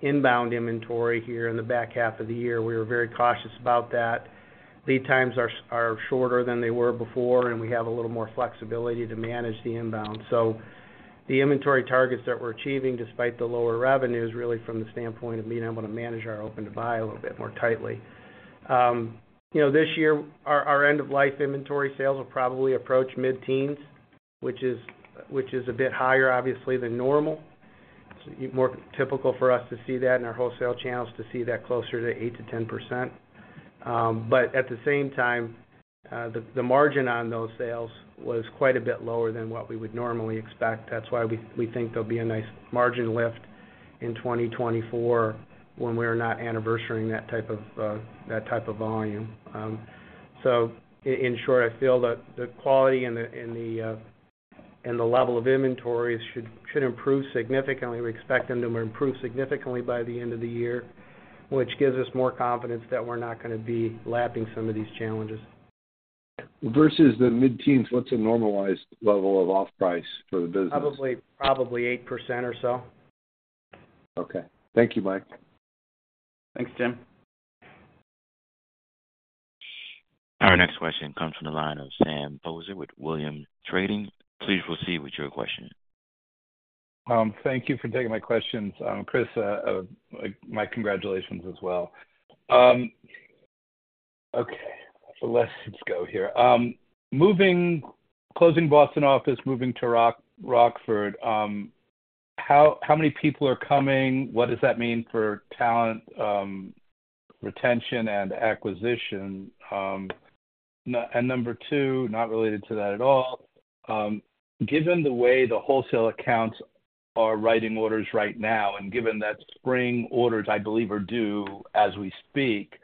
inbound inventory here in the back half of the year. We were very cautious about that. Lead times are, are shorter than they were before, and we have a little more flexibility to manage the inbound. The inventory targets that we're achieving, despite the lower revenues, really from the standpoint of being able to manage our open-to-buy a little bit more tightly. You know, this year, our, our end of life inventory sales will probably approach mid-teens, which is, which is a bit higher, obviously, than normal. It's more typical for us to see that in our wholesale channels, to see that closer to 8%-10%. At the same time, the margin on those sales was quite a bit lower than what we would normally expect. That's why we, we think there'll be a nice margin lift in 2024 when we're not anniversarying that type of volume. In short, I feel that the quality and the, and the level of inventories should, should improve significantly. We expect them to improve significantly by the end of the year, which gives us more confidence that we're not gonna be lapping some of these challenges. Versus the mid-teens, what's a normalized level of off price for the business? Probably, probably 8% or so. Okay. Thank you, Michael. Thanks, Jim. Our next question comes from the line of Sam Poser with Williams Trading. Please proceed with your question. Thank you for taking my questions. Chris, my congratulations as well. Okay, let's just go here. Moving-- closing Boston office, moving to Rockford, how, how many people are coming? What does that mean for talent, retention and acquisition? Number two, not related to that at all, given the way the wholesale accounts are writing orders right now, and given that spring orders, I believe, are due as we speak,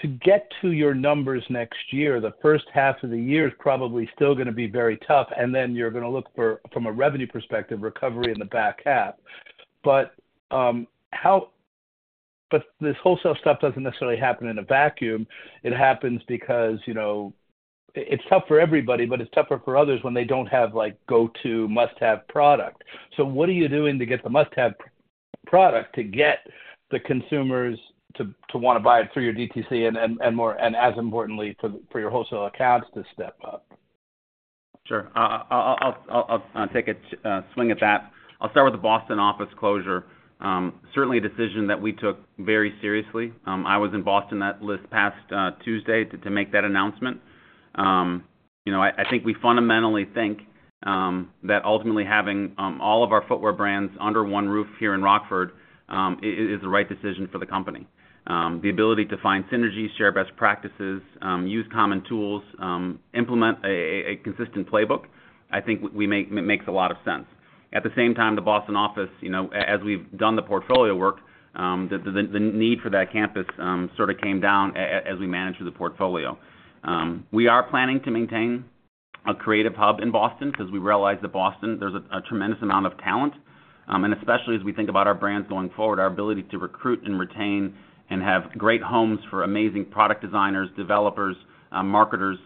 to get to your numbers next year, the first half of the year is probably still gonna be very tough, and then you're gonna look for, from a revenue perspective, recovery in the back half. How-- but this wholesale stuff doesn't necessarily happen in a vacuum. It happens because, you know, it's tough for everybody, but it's tougher for others when they don't have, like, go-to, must-have product. What are you doing to get the must-have product to get the consumers to, to want to buy it through your DTC and, and, and more, and as importantly, for, for your wholesale accounts to step up? Sure. I'll, I'll, I'll take a swing at that. I'll start with the Boston office closure. Certainly a decision that we took very seriously. I was in Boston that this past Tuesday to make that announcement. You know, I, I think we fundamentally think that ultimately having all of our footwear brands under one roof here in Rockford is the right decision for the company. The ability to find synergies, share best practices, use common tools, implement a consistent playbook, I think makes a lot of sense. At the same time, the Boston office, you know, as we've done the portfolio work, the need for that campus sort of came down as we managed through the portfolio. We are planning to maintain a creative hub in Boston, because we realize that Boston, there's a tremendous amount of talent. Especially as we think about our brands going forward, our ability to recruit and retain and have great homes for amazing product designers, developers, marketers,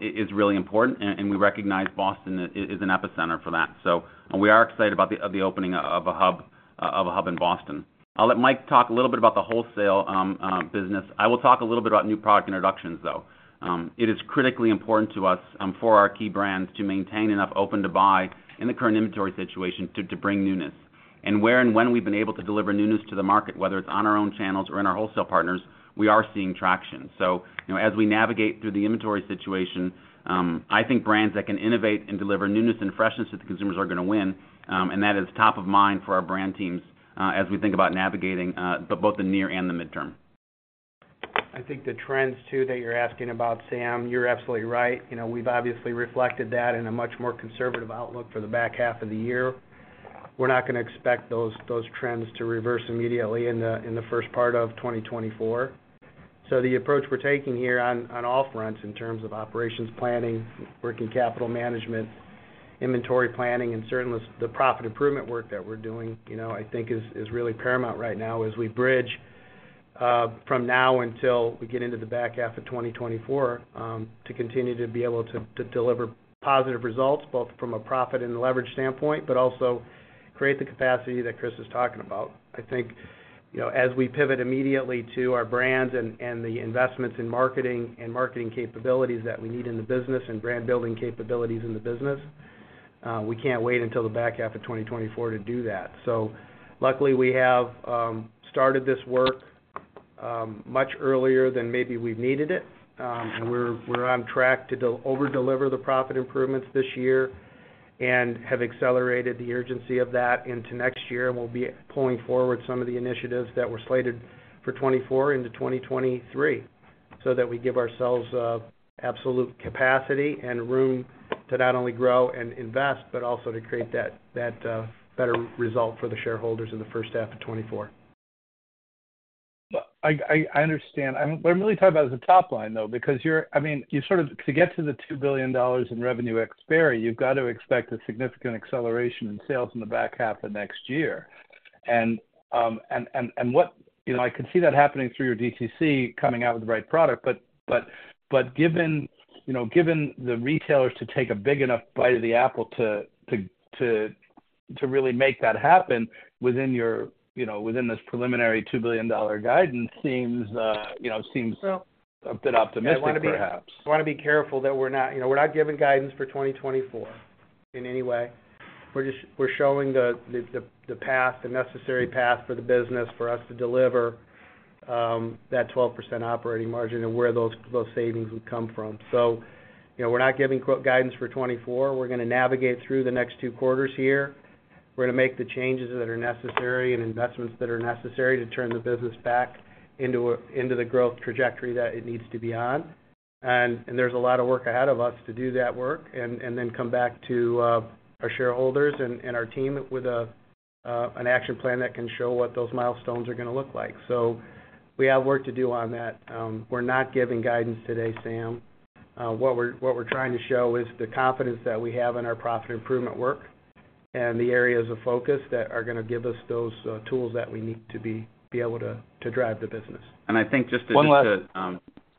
is really important, and we recognize Boston is an epicenter for that. We are excited about the opening of a hub, of a hub in Boston. I'll let Michael talk a little bit about the wholesale business. I will talk a little bit about new product introductions, though. It is critically important to us, for our key brands to maintain enough open-to-buy in the current inventory situation to bring newness. Where and when we've been able to deliver newness to the market, whether it's on our own channels or in our wholesale partners, we are seeing traction. You know, as we navigate through the inventory situation, I think brands that can innovate and deliver newness and freshness to the consumers are gonna win, and that is top of mind for our brand teams, as we think about navigating both the near and the midterm. I think the trends, too, that you're asking about, Sam, you're absolutely right. You know, we've obviously reflected that in a much more conservative outlook for the back half of the year. We're not gonna expect those, those trends to reverse immediately in the, in the first part of 2024. The approach we're taking here on, on all fronts in terms of operations planning, working capital management, inventory planning, and certainly, the profit improvement work that we're doing, you know, I think is, is really paramount right now as we bridge from now until we get into the back half of 2024 to continue to be able to, to deliver positive results, both from a profit and leverage standpoint, but also create the capacity that Chris is talking about. I think, you know, as we pivot immediately to our brands and, and the investments in marketing and marketing capabilities that we need in the business and brand building capabilities in the business, we can't wait until the back half of 2024 to do that. Luckily, we have started this work much earlier than maybe we've needed it. We're, we're on track to over-deliver the profit improvements this year and have accelerated the urgency of that into next year. We'll be pulling forward some of the initiatives that were slated for 2024 into 2023, so that we give ourselves absolute capacity and room to not only grow and invest, but also to create that, that, better result for the shareholders in the first half of 2024. Well, I, I, I understand. I'm what I'm really talking about is the top line, though, because you're I mean, you sort of to get to the $2 billion in revenue ex Sperry, you've got to expect a significant acceleration in sales in the back half of next year. What you know, I can see that happening through your DTC coming out with the right product. Given, you know, given the retailers to take a big enough bite of the apple to really make that happen within your, you know, within this preliminary $2 billion guidance seems, you know, seems. Well- a bit optimistic, perhaps. I wanna be careful that we're not... You know, we're not giving guidance for 2024 in any way. We're just showing the, the, the path, the necessary path for the business for us to deliver that 12% operating margin and where those, those savings would come from. You know, we're not giving quote guidance for 2024. We're gonna navigate through the next two quarters here. We're gonna make the changes that are necessary and investments that are necessary to turn the business back into the growth trajectory that it needs to be on. There's a lot of work ahead of us to do that work and then come back to our shareholders and our team with an action plan that can show what those milestones are gonna look like. We have work to do on that. We're not giving guidance today, Sam. What we're trying to show is the confidence that we have in our profit improvement work and the areas of focus that are gonna give us those tools that we need to be able to drive the business. I think just. One last....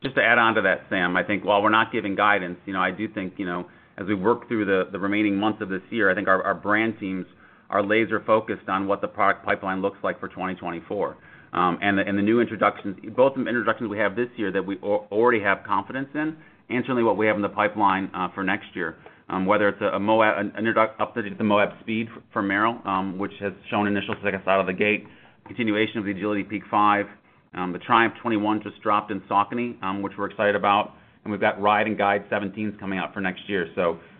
just to add on to that, Sam, I think while we're not giving guidance, you know, I do think, you know, as we work through the, the remaining months of this year, I think our, our brand teams are laser-focused on what the product pipeline looks like for 2024. The new introductions, both the introductions we have this year that we already have confidence in, and certainly what we have in the pipeline for next year. Whether it's a Moab, an update to the Moab Speed for Merrell, which has shown initial success out of the gate, continuation of the Agility Peak 5, the Triumph 21 just dropped in Saucony, which we're excited about. We've got Ride and Guide 17s coming out for next year.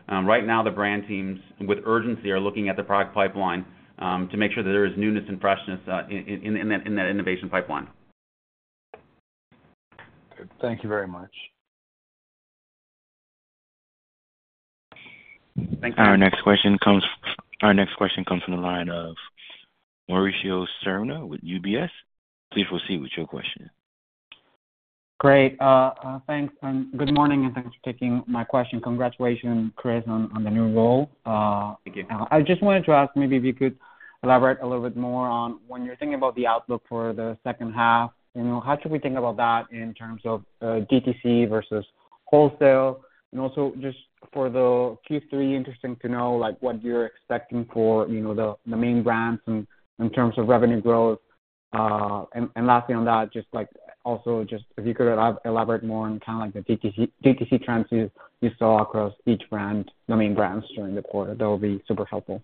Right now, the brand teams, with urgency, are looking at the product pipeline, to make sure that there is newness and freshness, in, in, in, in that, in that innovation pipeline. Good. Thank you very much. Thank you. Our next question comes from the line of Mauricio Serna with UBS. Please proceed with your question. Great. Thanks, and good morning, and thanks for taking my question. Congratulations, Chris, on, on the new role. Thank you. I just wanted to ask, maybe if you could elaborate a little bit more on when you're thinking about the outlook for the second half, you know, how should we think about that in terms of DTC versus wholesale? Also, just for the Q3, interesting to know, like, what you're expecting for, you know, the main brands in terms of revenue growth. Lastly on that, just, like, also just if you could elaborate more on kind of like the DTC, DTC trends you saw across each brand, the main brands during the quarter, that would be super helpful.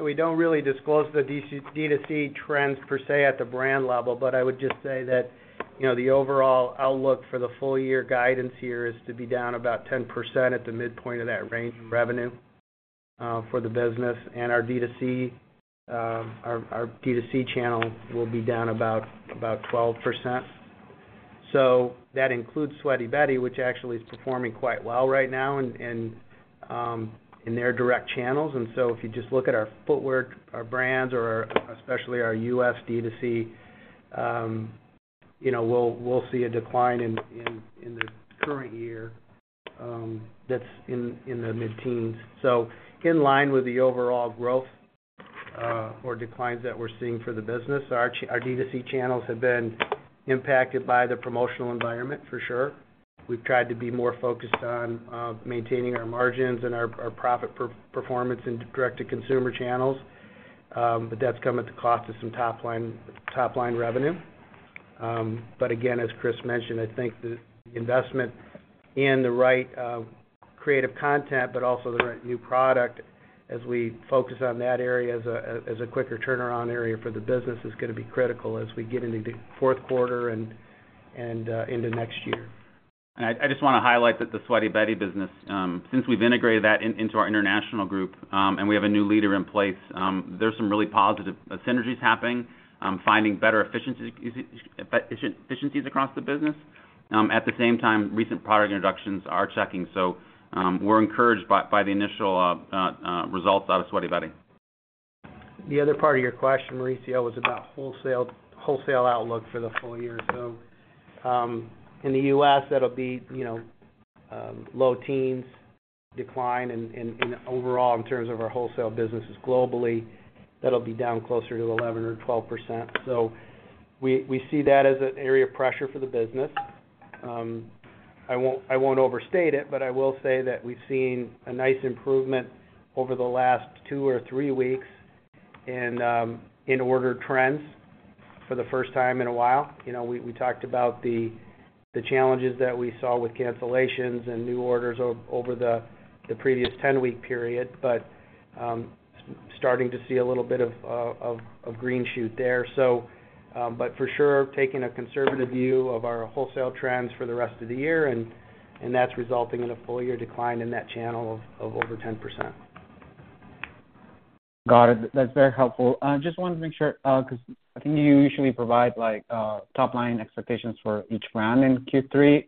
We don't really disclose the DTC trends per se, at the brand level, but I would just say that, you know, the overall outlook for the full year guidance here is to be down about 10% at the midpoint of that range in revenue for the business. Our DTC channel will be down about 12%. That includes Sweaty Betty, which actually is performing quite well right now in their direct channels. If you just look at our footwear, our brands, or especially our US DTC, you know, we'll see a decline in the current year that's in the mid-teens. In line with the overall growth or declines that we're seeing for the business, our DTC channels have been impacted by the promotional environment, for sure. We've tried to be more focused on maintaining our margins and our, our profit performance in Direct-to-Consumer channels. That's come at the cost of some top line, top line revenue. Again, as Chris mentioned, I think the investment in the right creative content, but also the right new product, as we focus on that area as a, as a quicker turnaround area for the business, is gonna be critical as we get into the fourth quarter and, and into next year. I, I just wanna highlight that the Sweaty Betty business, since we've integrated that into our international group, and we have a new leader in place, there's some really positive synergies happening, finding better efficiency, efficiencies across the business. At the same time, recent product introductions are checking. We're encouraged by the initial results out of Sweaty Betty. The other part of your question, Mauricio, was about wholesale, wholesale outlook for the full year. In the US, that'll be, you know, low teens decline. Overall, in terms of our wholesale businesses globally, that'll be down closer to 11% or 12%. We, we see that as an area of pressure for the business. I won't, I won't overstate it, I will say that we've seen a nice improvement over the last two or three weeks in order trends for the first time in a while. You know, we, we talked about the challenges that we saw with cancellations and new orders over the previous 10-week period, starting to see a little bit of green shoot there. For sure, taking a conservative view of our wholesale trends for the rest of the year, and that's resulting in a full year decline in that channel of over 10%. Got it. That's very helpful. I just wanted to make sure, 'cause I think you usually provide like, top-line expectations for each brand in Q3.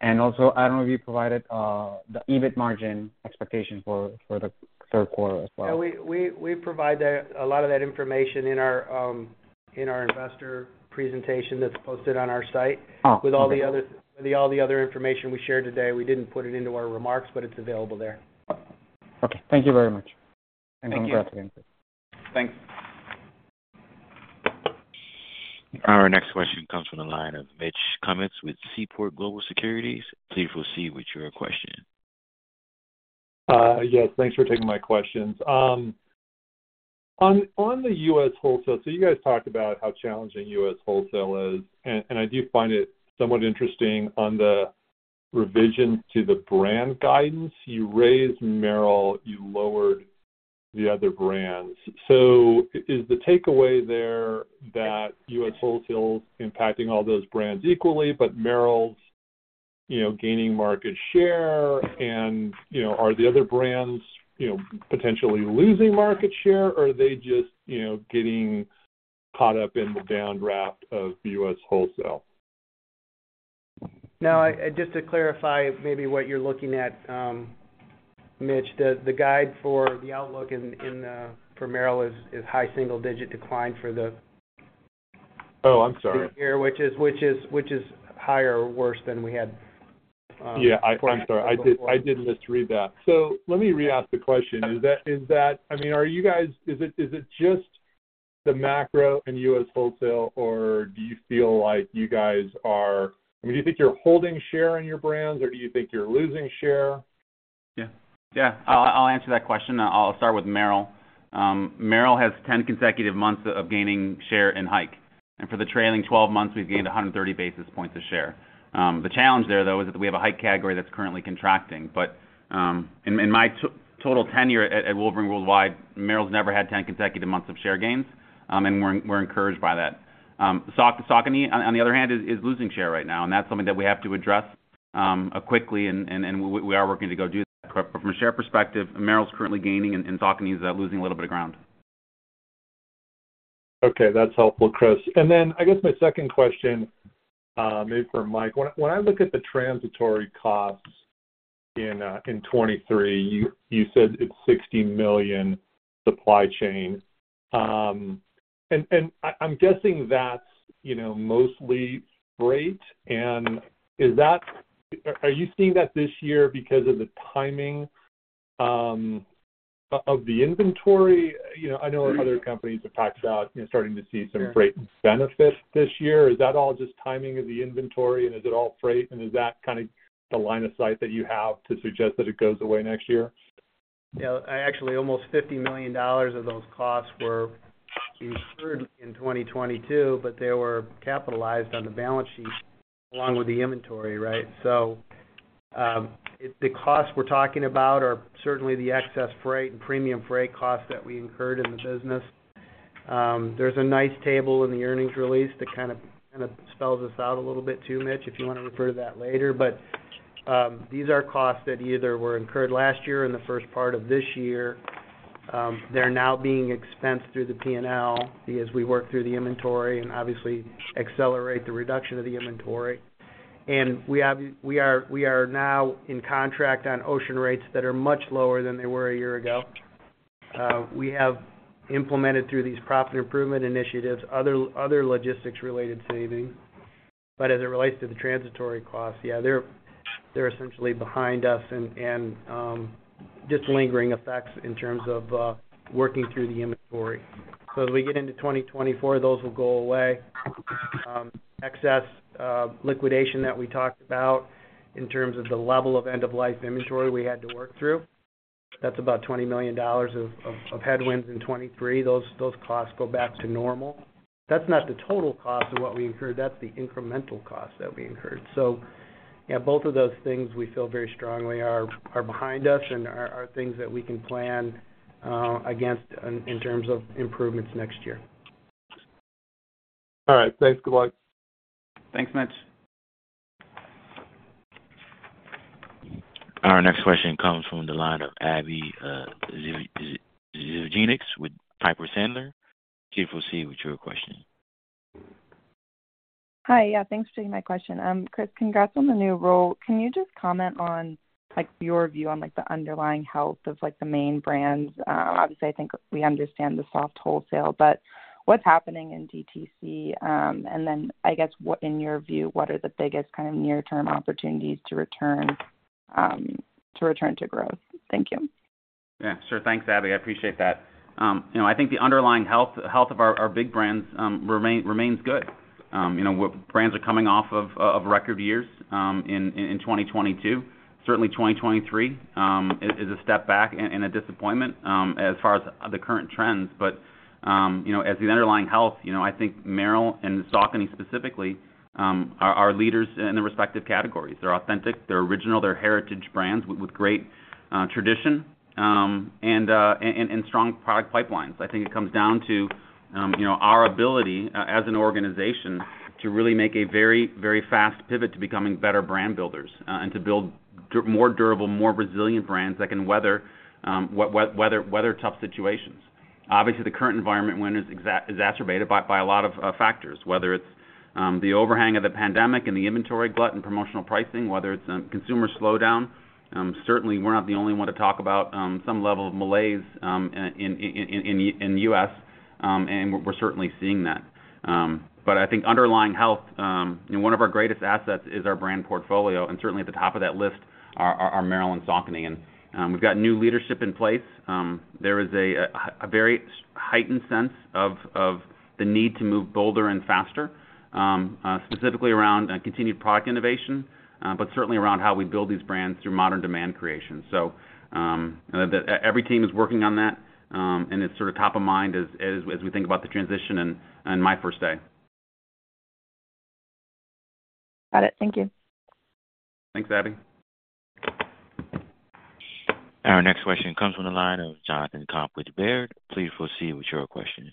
Also, I don't know if you provided, the EBIT margin expectation for, for the third quarter as well. Yeah, we, we, we provide that a lot of that information in our in our investor presentation that's posted on our site. Oh, okay. with all the other, with all the other information we shared today. We didn't put it into our remarks, but it's available there. Okay. Thank you very much. Thank you. I'm glad to answer. Thanks. Our next question comes from the line of Mitch Kummetz with Seaport Global Securities. Please proceed with your question. Yes, thanks for taking my questions. On the US wholesale, you guys talked about how challenging US wholesale is, and I do find it somewhat interesting on the revision to the brand guidance. You raised Merrell; you lowered the other brands. Is the takeaway there that US wholesale is impacting all those brands equally, but Merrell's, you know, gaining market share? You know, are the other brands, you know, potentially losing market share, or are they just, you know, getting caught up in the downdraft of the US wholesale? No, just to clarify maybe what you're looking at, Mitch, the, the guide for the outlook in, in, for Merrell is, is high single digit decline for the... Oh, I'm sorry. Which is, which is, which is higher or worse than we had. Yeah, I'm sorry. - before. I did, I did misread that. Let me re-ask the question. Is that, is that I mean, are you guys is it, is it just the macro in US wholesale, or do you feel like you guys are I mean, do you think you're holding share in your brands, or do you think you're losing share? Yeah. Yeah, I'll, I'll answer that question. I'll start with Merrell. Merrell has 10 consecutive months of gaining share in Hike. For the trailing 12 months, we've gained 130 basis points of share. The challenge there, though, is that we have a Hike category that's currently contracting. In my total tenure at Wolverine Worldwide, Merrell's never had 10 consecutive months of share gains, and we're encouraged by that. Saucony, on the other hand, is losing share right now, and that's something that we have to address quickly, and we are working to go do that. From a share perspective, Merrell's currently gaining, and Saucony is losing a little bit of ground. Okay, that's helpful, Chris. I guess my second question, maybe for Mike: When I, when I look at the transitory costs in 2023, you, you said it's $60 million supply chain. I, I'm guessing that's, you know, mostly freight. Are, are you seeing that this year because of the timing of, of the inventory? You know, I know other companies have talked about starting to see some freight benefits this year. Is that all just timing of the inventory, and is it all freight, and is that kind of the line of sight that you have to suggest that it goes away next year? Yeah. Actually, almost $50 million of those costs were incurred in 2022, but they were capitalized on the balance sheet along with the inventory, right? The costs we're talking about are certainly the excess freight and premium freight costs that we incurred in the business. There's a nice table in the earnings release that kind of, kind of spells this out a little bit too, Mitch, if you want to refer to that later. These are costs that either were incurred last year or in the first part of this year. They're now being expensed through the P&L as we work through the inventory and obviously accelerate the reduction of the inventory. We are now in contract on ocean rates that are much lower than they were a year ago. We have implemented through these profit improvement initiatives, other, other logistics-related savings. As it relates to the transitory costs, yeah, they're, they're essentially behind us and, and, just lingering effects in terms of working through the inventory. As we get into 2024, those will go away. Excess liquidation that we talked about in terms of the level of end-of-life inventory we had to work through, that's about $20 million of, of, of headwinds in 2023. Those, those costs go back to normal. That's not the total cost of what we incurred, that's the incremental cost that we incurred. Yeah, both of those things we feel very strongly are, are behind us and are, are things that we can plan against in, in terms of improvements next year. All right. Thanks. Good luck. Thanks, Mitch. Our next question comes from the line of Abbie Zvejnieks with Piper Sandler. Please proceed with your question. Hi. Yeah, thanks for taking my question. Chris, congrats on the new role. Can you just comment on, like, your view on, like, the underlying health of, like, the main brands? Obviously, I think we understand the soft wholesale, but what's happening in DTC? I guess, what, in your view, what are the biggest kind of near-term opportunities to return, to return to growth? Thank you. Yeah, sure. Thanks, Abbie. I appreciate that. You know, I think the underlying health, health of our, our big brands, remains good. You know, brands are coming off of, of record years, in 2022. Certainly 2023 is a step back and a disappointment as far as the current trends. You know, as the underlying health, you know, I think Merrell and Saucony specifically are leaders in the respective categories. They're authentic, they're original, they're heritage brands with, with great tradition, and strong product pipelines. I think it comes down to, you know, our ability as an organization to really make a very, very fast pivot to becoming better brand builders, and to build More durable, more resilient brands that can weather tough situations. Obviously, the current environment, when is exacerbated by, by a lot of factors, whether it's the overhang of the pandemic and the inventory glut and promotional pricing, whether it's consumer slowdown. Certainly we're not the only one to talk about some level of malaise in the U.S., and we're certainly seeing that. I think underlying health, one of our greatest assets is our brand portfolio, and certainly at the top of that list are Merrell and Saucony. We've got new leadership in place. There is a very heightened sense of the need to move bolder and faster specifically around continued product innovation, but certainly around how we build these brands through modern demand creation. The-- every team is working on that, and it's sort of top of mind as, as, as we think about the transition and, and my first day. Got it. Thank you. Thanks, Abbie. Our next question comes from the line of Jonathan Komp with Baird. Please proceed with your question.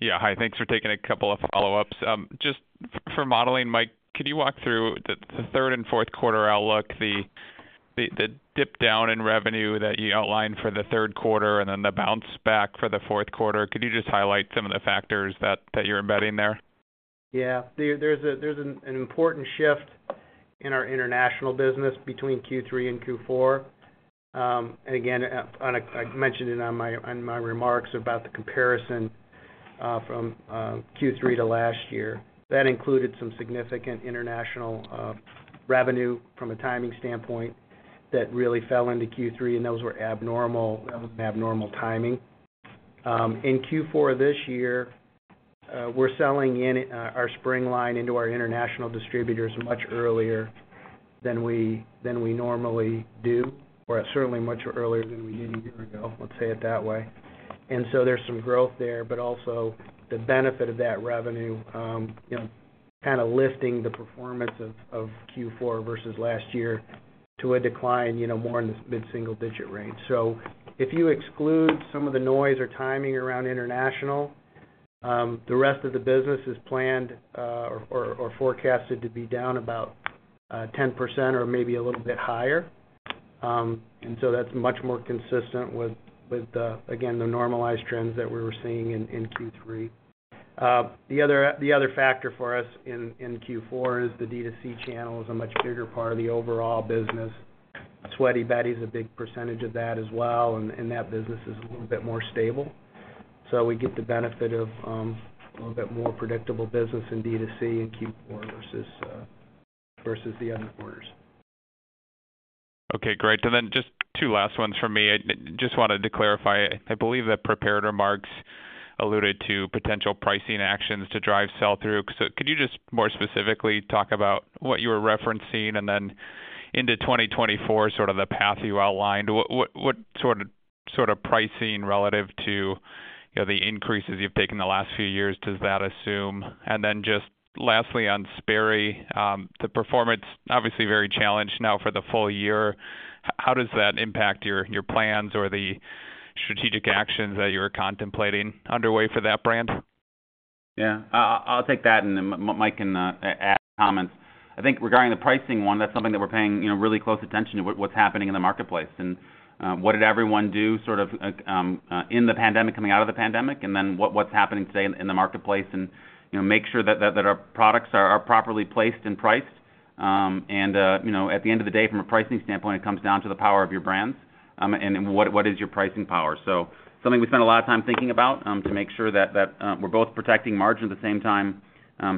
Yeah. Hi, thanks for taking a couple of follow-ups. Just for modeling, Michael, could you walk through the, the third and fourth quarter outlook, the, the, the dip down in revenue that you outlined for the third quarter, and then the bounce back for the fourth quarter? Could you just highlight some of the factors that, that you're embedding there? Yeah. There, there's an important shift in our international business between Q3 and Q4. Again, and I, I mentioned it on my, on my remarks about the comparison from Q3 to last year. That included some significant international revenue from a timing standpoint that really fell into Q3, and those were abnormal, abnormal timing. In Q4 this year, we're selling in our spring line into our international distributors much earlier than we, than we normally do, or certainly much earlier than we did a year ago, let's say it that way. So there's some growth there, but also the benefit of that revenue, you know, kind of lifting the performance of Q4 versus last year to a decline, you know, more in the mid-single-digit range. If you exclude some of the noise or timing around international, the rest of the business is planned, or or forecasted to be down about 10% or maybe a little bit higher. That's much more consistent with, with the, again, the normalized trends that we were seeing in Q3. The other, the other factor for us in Q4 is the D2C channel is a much bigger part of the overall business. Sweaty Betty is a big percentage of that as well, and and that business is a little bit more stable. We get the benefit of a little bit more predictable business in D2C in Q4 versus versus the other quarters. Okay, great. Just two last ones for me. I just wanted to clarify. I believe the prepared remarks alluded to potential pricing actions to drive sell-through. Could you just more specifically talk about what you were referencing, and then into 2024, sort of the path you outlined, what sort of pricing relative to, you know, the increases you've taken the last few years, does that assume? Just lastly, on Sperry, the performance, obviously very challenged now for the full year. How does that impact your plans or the strategic actions that you're contemplating underway for that brand? Yeah. I, I, I'll take that, and then Michael can add comments. I think regarding the pricing one, that's something that we're paying, you know, really close attention to, what's happening in the marketplace. What did everyone do sort of in the pandemic, coming out of the pandemic, and then what's happening today in, in the marketplace, and, you know, make sure that, that our products are, are properly placed and priced. You know, at the end of the day, from a pricing standpoint, it comes down to the power of your brands, and then what, what is your pricing power? Something we spend a lot of time thinking about, to make sure that, that we're both protecting margin, at the same time,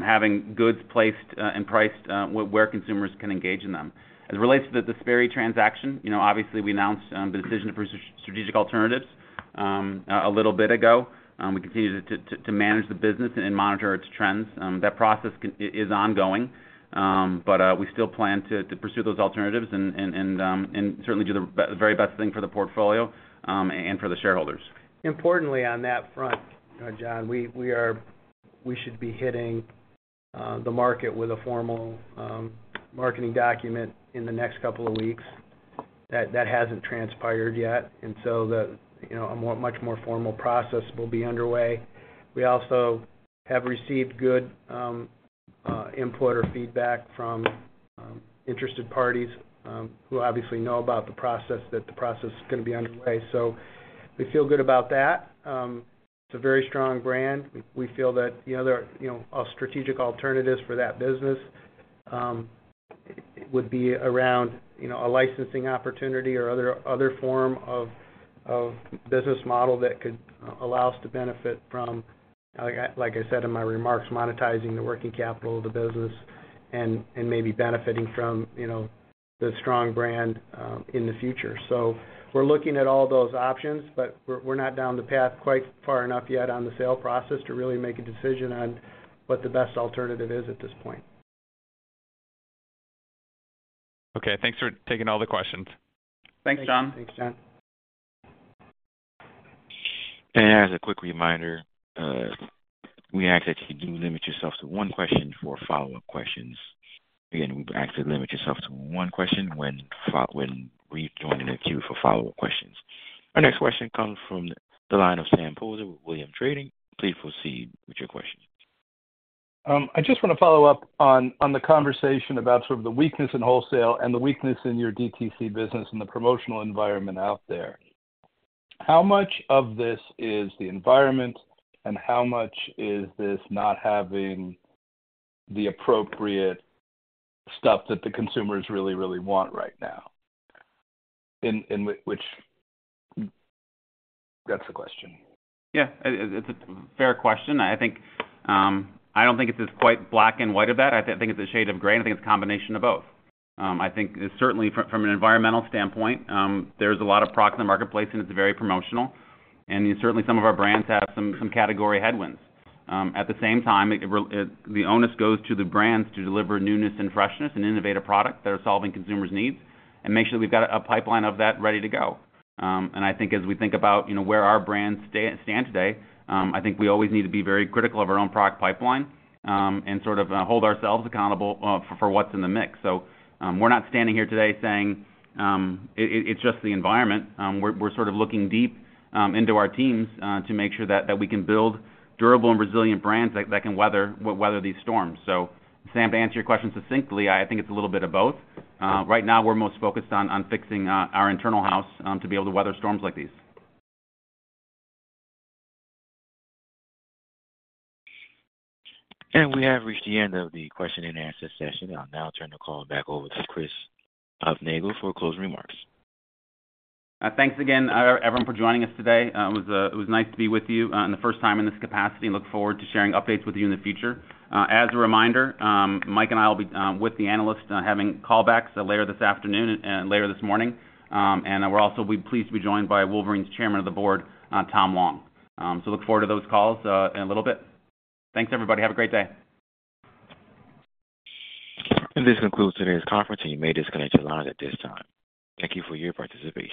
having goods placed and priced where consumers can engage in them. As it relates to the Sperry transaction, you know, obviously, we announced the decision for strategic alternatives a little bit ago. We continue to manage the business and monitor its trends. That process is ongoing, but we still plan to pursue those alternatives and certainly do the very best thing for the portfolio and for the shareholders. Importantly, on that front, Jonathan, we should be hitting the market with a formal marketing document in the next couple of weeks. That hasn't transpired yet, you know, a more, much more formal process will be underway. We also have received good input or feedback from interested parties who obviously know about the process, that the process is gonna be underway. We feel good about that. It's a very strong brand. We feel that the other, you know, strategic alternatives for that business would be around, you know, a licensing opportunity or other, other form of, of business model that could allow us to benefit from, like I, like I said in my remarks, monetizing the working capital of the business and, and maybe benefiting from, you know, the strong brand in the future. We're looking at all those options, but we're, we're not down the path quite far enough yet on the sale process to really make a decision on what the best alternative is at this point. Okay, thanks for taking all the questions. Thanks, Jonathan. Thanks, Jonathan. As a quick reminder, we ask that you do limit yourself to one question for follow-up questions. Again, we ask that you limit yourself to one question when rejoining the queue for follow-up questions. Our next question comes from the line of Sam Poser with Williams Trading. Please proceed with your question. I just wanna follow up on, on the conversation about sort of the weakness in wholesale and the weakness in your DTC business and the promotional environment out there. How much of this is the environment, and how much is this not having the appropriate stuff that the consumers really, really want right now? That's the question. Yeah, it, it's a fair question. I think, I don't think it's as quite black and white of that. I think it's a shade of gray, and I think it's a combination of both. I think certainly from, from an environmental standpoint, there's a lot of product in the marketplace, and it's very promotional, and certainly, some of our brands have some, some category headwinds. At the same time, it the onus goes to the brands to deliver newness and freshness and innovative products that are solving consumers' needs and make sure we've got a pipeline of that ready to go. I think as we think about, you know, where our brands stand today, I think we always need to be very critical of our own product pipeline, and sort of hold ourselves accountable for what's in the mix. We're not standing here today saying, it's just the environment. We're, we're sort of looking deep into our teams to make sure that we can build durable and resilient brands that can weather these storms. Sam, to answer your question succinctly, I think it's a little bit of both. Right now, we're most focused on fixing our internal house to be able to weather storms like these. We have reached the end of the question and answer session. I'll now turn the call back over to Chris Hufnagel for closing remarks. Thanks again, everyone, for joining us today. It was, it was nice to be with you, in the first time in this capacity and look forward to sharing updates with you in the future. As a reminder, Mike and I will be with the analysts, having call backs later this afternoon and later this morning. We're also pleased to be joined by Wolverine's Chairman of the Board, Tom Long. Look forward to those calls in a little bit. Thanks, everybody. Have a great day. This concludes today's conference, and you may disconnect your lines at this time. Thank you for your participation.